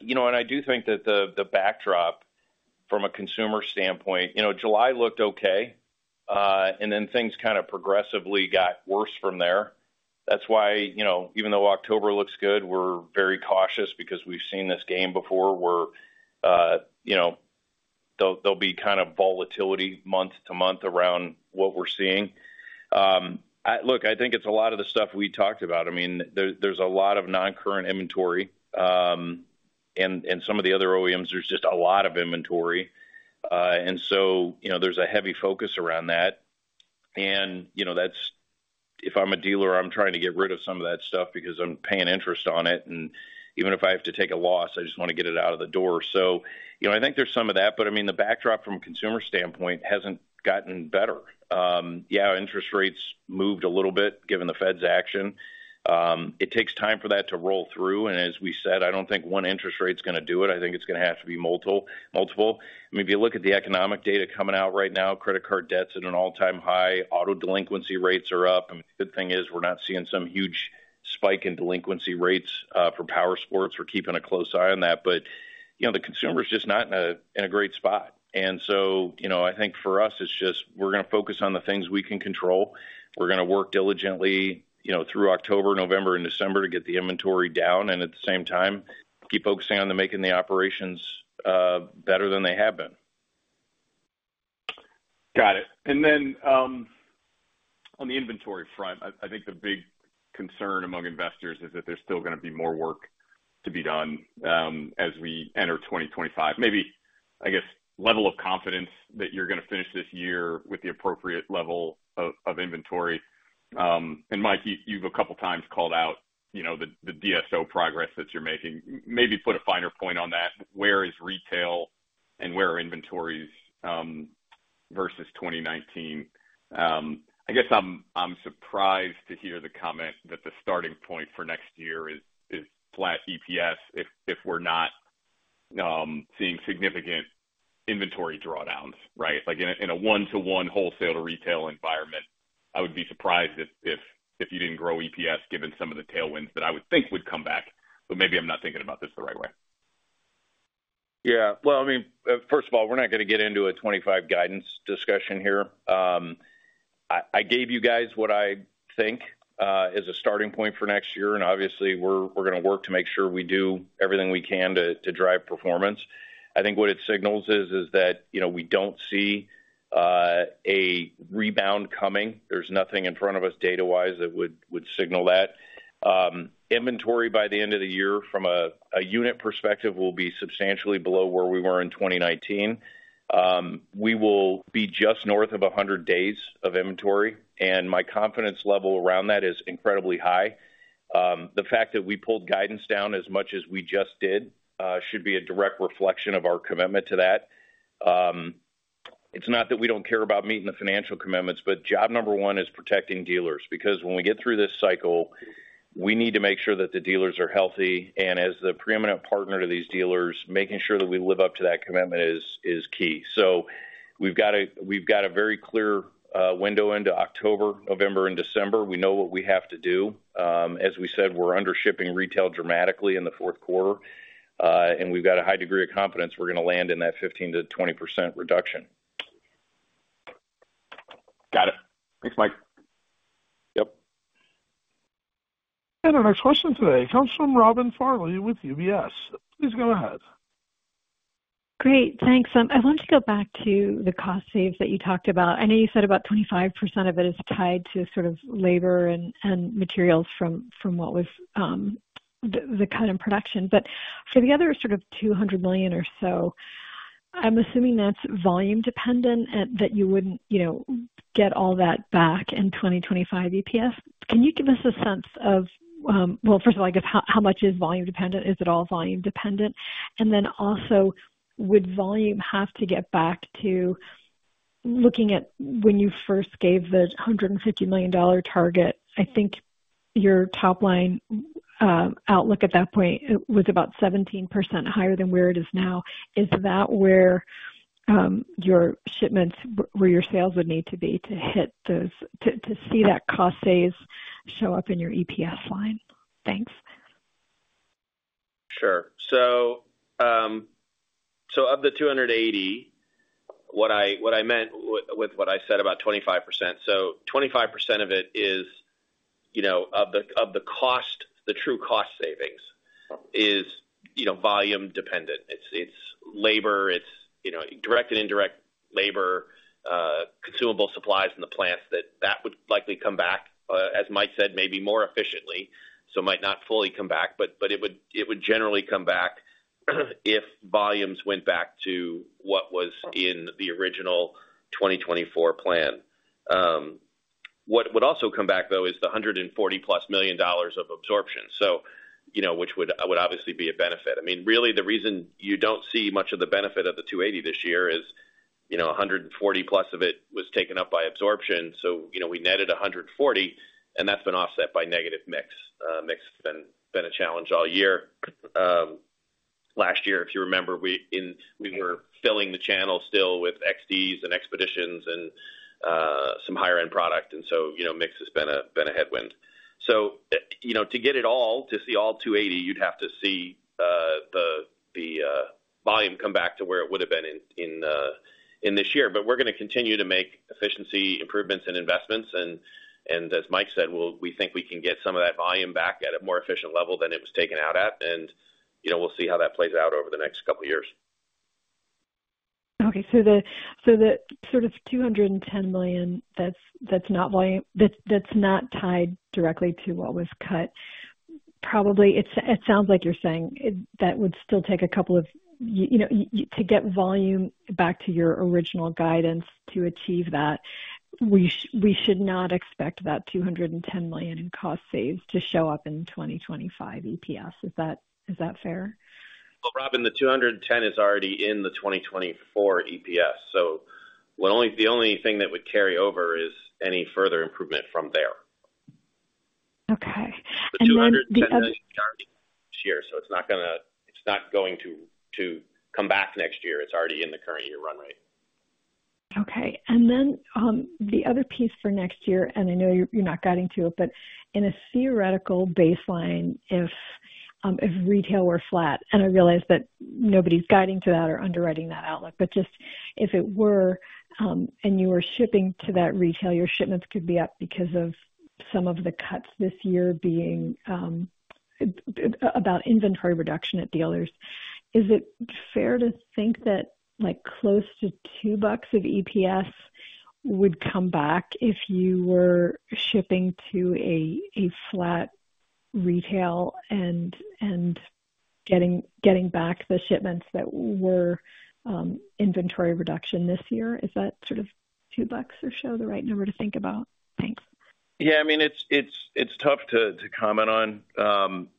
you know, I do think that the backdrop from a consumer standpoint, you know, July looked okay, and then things kind of progressively got worse from there. That's why, you know, even though October looks good, we're very cautious because we've seen this game before, where you know, there'll be kind of volatility month to month around what we're seeing. Look, I think it's a lot of the stuff we talked about. I mean, there's a lot of non-current inventory, and some of the other OEMs, there's just a lot of inventory. and so, you know, there's a heavy focus around that, and you know, that's, if I'm a dealer, I'm trying to get rid of some of that stuff because I'm paying interest on it, and even if I have to take a loss, I just want to get it out of the door, so you know, I think there's some of that, but I mean, the backdrop from a consumer standpoint hasn't gotten better. Yeah, interest rates moved a little bit, given the Fed's action. It takes time for that to roll through, and as we said, I don't think one interest rate's going to do it. I think it's going to have to be multiple, multiple. I mean, if you look at the economic data coming out right now, credit card debt's at an all-time high, auto delinquency rates are up. And the good thing is we're not seeing some huge spike in delinquency rates for powersports. We're keeping a close eye on that, but, you know, the consumer is just not in a great spot. And so, you know, I think for us, it's just, we're going to focus on the things we can control. We're going to work diligently, you know, through October, November, and December to get the inventory down, and at the same time, keep focusing on the making the operations better than they have been. Got it. And then, on the inventory front, I think the big concern among investors is that there's still going to be more work to be done, as we enter 2025. Maybe, I guess, level of confidence that you're going to finish this year with the appropriate level of inventory. And, Mike, you've a couple of times called out, you know, the DSO progress that you're making. Maybe put a finer point on that. Where is retail and where are inventories, versus 2019? I guess I'm surprised to hear the comment that the starting point for next year is flat EPS if we're not seeing significant inventory drawdowns, right? Like, in a one-to-one wholesale to retail environment, I would be surprised if you didn't grow EPS, given some of the tailwinds that I would think would come back, but maybe I'm not thinking about this the right way. Yeah. Well, I mean, first of all, we're not going to get into a 2025 guidance discussion here. I gave you guys what I think is a starting point for next year, and obviously, we're going to work to make sure we do everything we can to drive performance. I think what it signals is that, you know, we don't see a rebound coming. There's nothing in front of us data-wise that would signal that. Inventory by the end of the year, from a unit perspective, will be substantially below where we were in 2019. We will be just north of 100 days of inventory, and my confidence level around that is incredibly high. The fact that we pulled guidance down as much as we just did should be a direct reflection of our commitment to that. It's not that we don't care about meeting the financial commitments, but job number one is protecting dealers, because when we get through this cycle, we need to make sure that the dealers are healthy, and as the preeminent partner to these dealers, making sure that we live up to that commitment is key, so we've got a very clear window into October, November, and December. We know what we have to do. As we said, we're under shipping retail dramatically in the fourth quarter, and we've got a high degree of confidence we're going to land in that 15%-20% reduction. Got it. Thanks, Mike. Yep. And our next question today comes from Robin Farley with UBS. Please go ahead. Great, thanks. I want to go back to the cost savings that you talked about. I know you said about 25% of it is tied to sort of labor and materials from what was the cut in production. But for the other sort of $200 million or so, I'm assuming that's volume dependent and that you wouldn't, you know, get all that back in 2025 EPS. Can you give us a sense of... Well, first of all, I guess, how much is volume dependent? Is it all volume dependent? And then also, would volume have to get back to looking at when you first gave the $150 million target, I think your top line outlook at that point it was about 17% higher than where it is now. Is that where your shipments, where your sales would need to be to hit those to see that cost savings show up in your EPS line? Thanks. Sure. So of the $280, what I meant with what I said about 25%. So 25% of it is, you know, of the cost, the true cost savings is, you know, volume dependent. It's labor, it's, you know, direct and indirect labor, consumable supplies in the plants that would likely come back, as Mike said, maybe more efficiently, so might not fully come back, but it would generally come back.... if volumes went back to what was in the original twenty twenty-four plan. What would also come back, though, is the $140+ million of absorption. So, you know, which would obviously be a benefit. I mean, really, the reason you don't see much of the benefit of the $280 this year is, you know, $140+ of it was taken up by absorption. So, you know, we netted $140, and that's been offset by negative mix. Mix has been a challenge all year. Last year, if you remember, we were filling the channel still with XDs and Expeditions and some higher-end product, and so, you know, mix has been a headwind. So, you know, to get it all, to see all two eighty, you'd have to see the volume come back to where it would have been in this year. But we're going to continue to make efficiency improvements and investments. And as Mike said, we'll think we can get some of that volume back at a more efficient level than it was taken out at. And, you know, we'll see how that plays out over the next couple of years. Okay, so the sort of $210 million, that's not volume. That's not tied directly to what was cut. Probably, it sounds like you're saying it, that would still take a couple of, you know, years to get volume back to your original guidance. To achieve that, we should not expect that $210 million in cost savings to show up in 2025 EPS. Is that fair? Robyn, the $210 is already in the 2024 EPS, so the only thing that would carry over is any further improvement from there. Okay, and then the other- The $210 million is already this year, so it's not going to come back next year. It's already in the current year run rate. Okay. And then, the other piece for next year, and I know you're not guiding to it, but in a theoretical baseline, if retail were flat, and I realize that nobody's guiding to that or underwriting that outlook, but just if it were, and you were shipping to that retail, your shipments could be up because of some of the cuts this year being about inventory reduction at dealers. Is it fair to think that, like, close to $2 of EPS would come back if you were shipping to a flat retail and getting back the shipments that were inventory reduction this year? Is that sort of $2 or so the right number to think about? Thanks. Yeah, I mean, it's tough to comment on.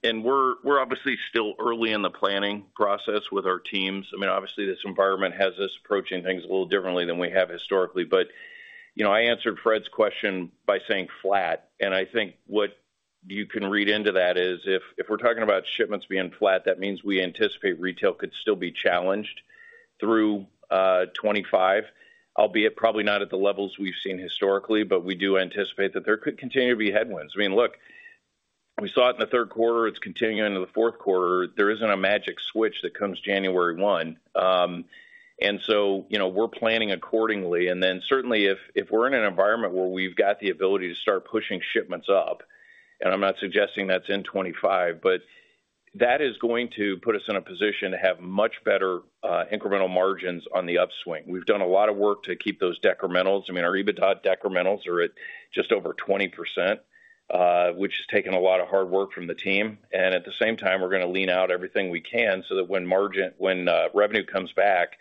We're obviously still early in the planning process with our teams. I mean, obviously, this environment has us approaching things a little differently than we have historically. But, you know, I answered Fred's question by saying flat, and I think what you can read into that is if we're talking about shipments being flat, that means we anticipate retail could still be challenged through 2025, albeit probably not at the levels we've seen historically, but we do anticipate that there could continue to be headwinds. I mean, look, we saw it in the third quarter. It's continuing into the fourth quarter. There isn't a magic switch that comes January one. You know, we're planning accordingly. Then certainly if we're in an environment where we've got the ability to start pushing shipments up, and I'm not suggesting that's in 25, but that is going to put us in a position to have much better incremental margins on the upswing. We've done a lot of work to keep those decrementals. I mean, our EBITDA decrementals are at just over 20%, which has taken a lot of hard work from the team. And at the same time, we're going to lean out everything we can so that when revenue comes back,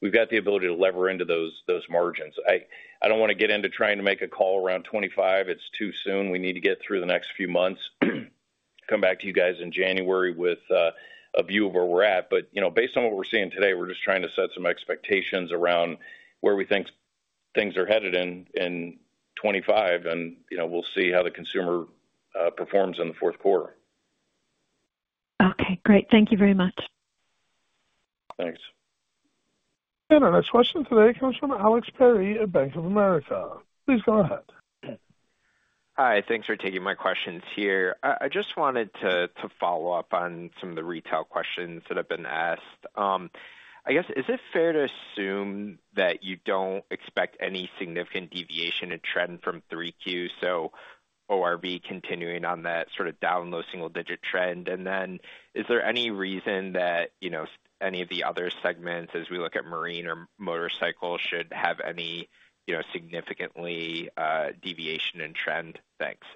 we've got the ability to lever into those margins. I don't want to get into trying to make a call around 25. It's too soon. We need to get through the next few months, come back to you guys in January with a view of where we're at. But, you know, based on what we're seeing today, we're just trying to set some expectations around where we think things are headed in 2025, and, you know, we'll see how the consumer performs in the fourth quarter. Okay, great. Thank you very much. Thanks. Our next question today comes from Alex Perry at Bank of America. Please go ahead. Hi, thanks for taking my questions here. I just wanted to follow up on some of the retail questions that have been asked. I guess, is it fair to assume that you don't expect any significant deviation in trend from 3Q? So ORV continuing on that sort of down low single-digit trend. And then is there any reason that, you know, any of the other segments, as we look at marine or motorcycle, should have any, you know, significantly deviation and trend? Thanks.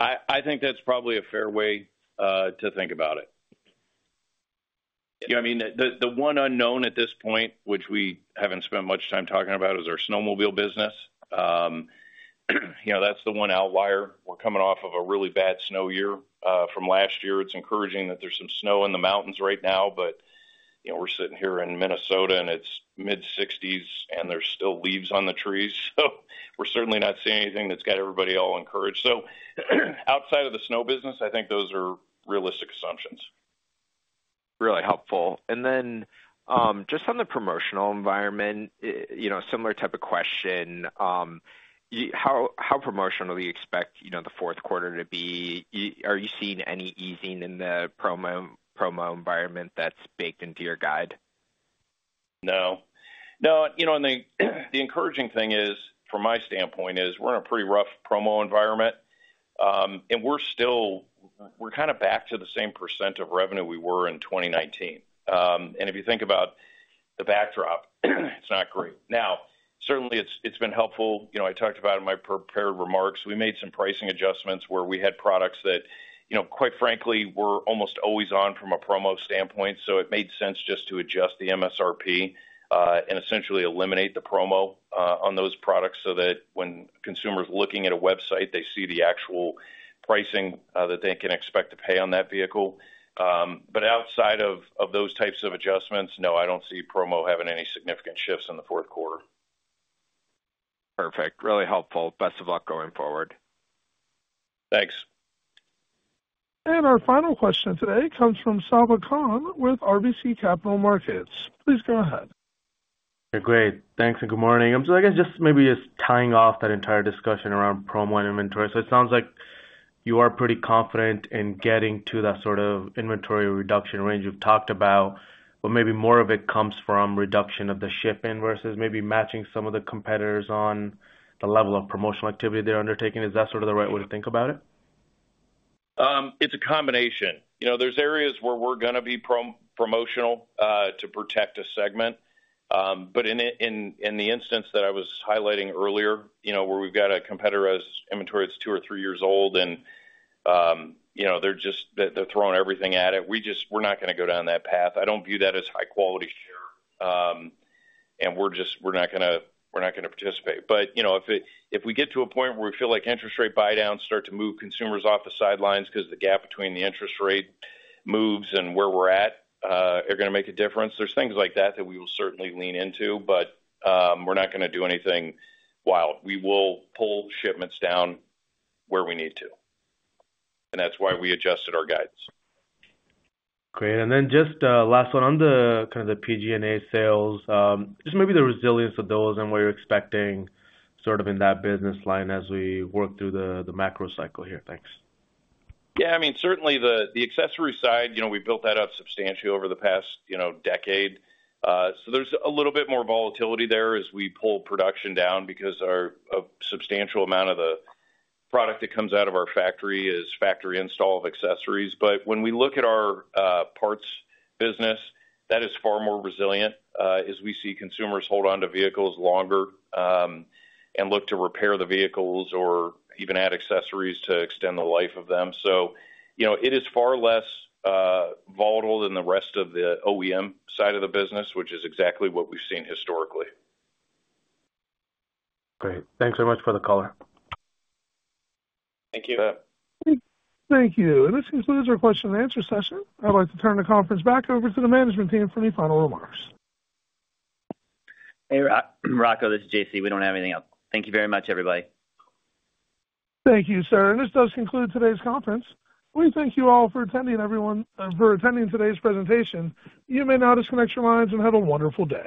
I think that's probably a fair way to think about it. Yeah, I mean, the one unknown at this point, which we haven't spent much time talking about, is our snowmobile business. You know, that's the one outlier. We're coming off of a really bad snow year from last year. It's encouraging that there's some snow in the mountains right now, but, you know, we're sitting here in Minnesota, and it's mid-60s, and there's still leaves on the trees, so we're certainly not seeing anything that's got everybody all encouraged. So outside of the snow business, I think those are realistic assumptions. Really helpful. And then, just on the promotional environment, you know, similar type of question. How promotional do you expect, you know, the fourth quarter to be? Are you seeing any easing in the promo environment that's baked into your guide? No. No, you know, and the encouraging thing is, from my standpoint, is we're in a pretty rough promo environment, and we're still. We're kind of back to the same percent of revenue we were in 2019. And if you think about the backdrop. It's not great. Now, certainly, it's been helpful. You know, I talked about in my prepared remarks, we made some pricing adjustments where we had products that, you know, quite frankly, were almost always on from a promo standpoint. So it made sense just to adjust the MSRP, and essentially eliminate the promo, on those products so that when consumers looking at a website, they see the actual pricing, that they can expect to pay on that vehicle. But outside of those types of adjustments, no, I don't see promo having any significant shifts in the fourth quarter. Perfect. Really helpful. Best of luck going forward. Thanks. Our final question today comes from Sabahat Khan with RBC Capital Markets. Please go ahead. Great. Thanks, and good morning. So I guess just maybe just tying off that entire discussion around promo and inventory. So it sounds like you are pretty confident in getting to that sort of inventory reduction range you've talked about, but maybe more of it comes from reduction of the shipping versus maybe matching some of the competitors on the level of promotional activity they're undertaking. Is that sort of the right way to think about it? It's a combination. You know, there's areas where we're gonna be promotional to protect a segment. But in the instance that I was highlighting earlier, you know, where we've got a competitor's inventory that's two or three years old, and you know, they're just throwing everything at it. We just, we're not gonna go down that path. I don't view that as high quality share. And we're just, we're not gonna participate. But you know, if we get to a point where we feel like interest rate buy downs start to move consumers off the sidelines because the gap between the interest rate moves and where we're at are gonna make a difference, there's things like that that we will certainly lean into, but we're not gonna do anything while. We will pull shipments down where we need to, and that's why we adjusted our guides. Great. And then just, last one on the kind of the PG&A sales, just maybe the resilience of those and what you're expecting sort of in that business line as we work through the macro cycle here. Thanks. Yeah, I mean, certainly the accessory side, you know, we've built that up substantially over the past, you know, decade. So there's a little bit more volatility there as we pull production down because a substantial amount of the product that comes out of our factory is factory install of accessories. But when we look at our parts business, that is far more resilient as we see consumers hold on to vehicles longer and look to repair the vehicles or even add accessories to extend the life of them. So, you know, it is far less volatile than the rest of the OEM side of the business, which is exactly what we've seen historically. Great. Thanks so much for the call. Thank you. Thank you, and this concludes our question and answer session. I'd like to turn the conference back over to the management team for any final remarks. Hey, Rocco, this is J.C. We don't have anything else. Thank you very much, everybody. Thank you, sir. And this does conclude today's conference. We thank you all for attending, everyone, for attending today's presentation. You may now disconnect your lines and have a wonderful day.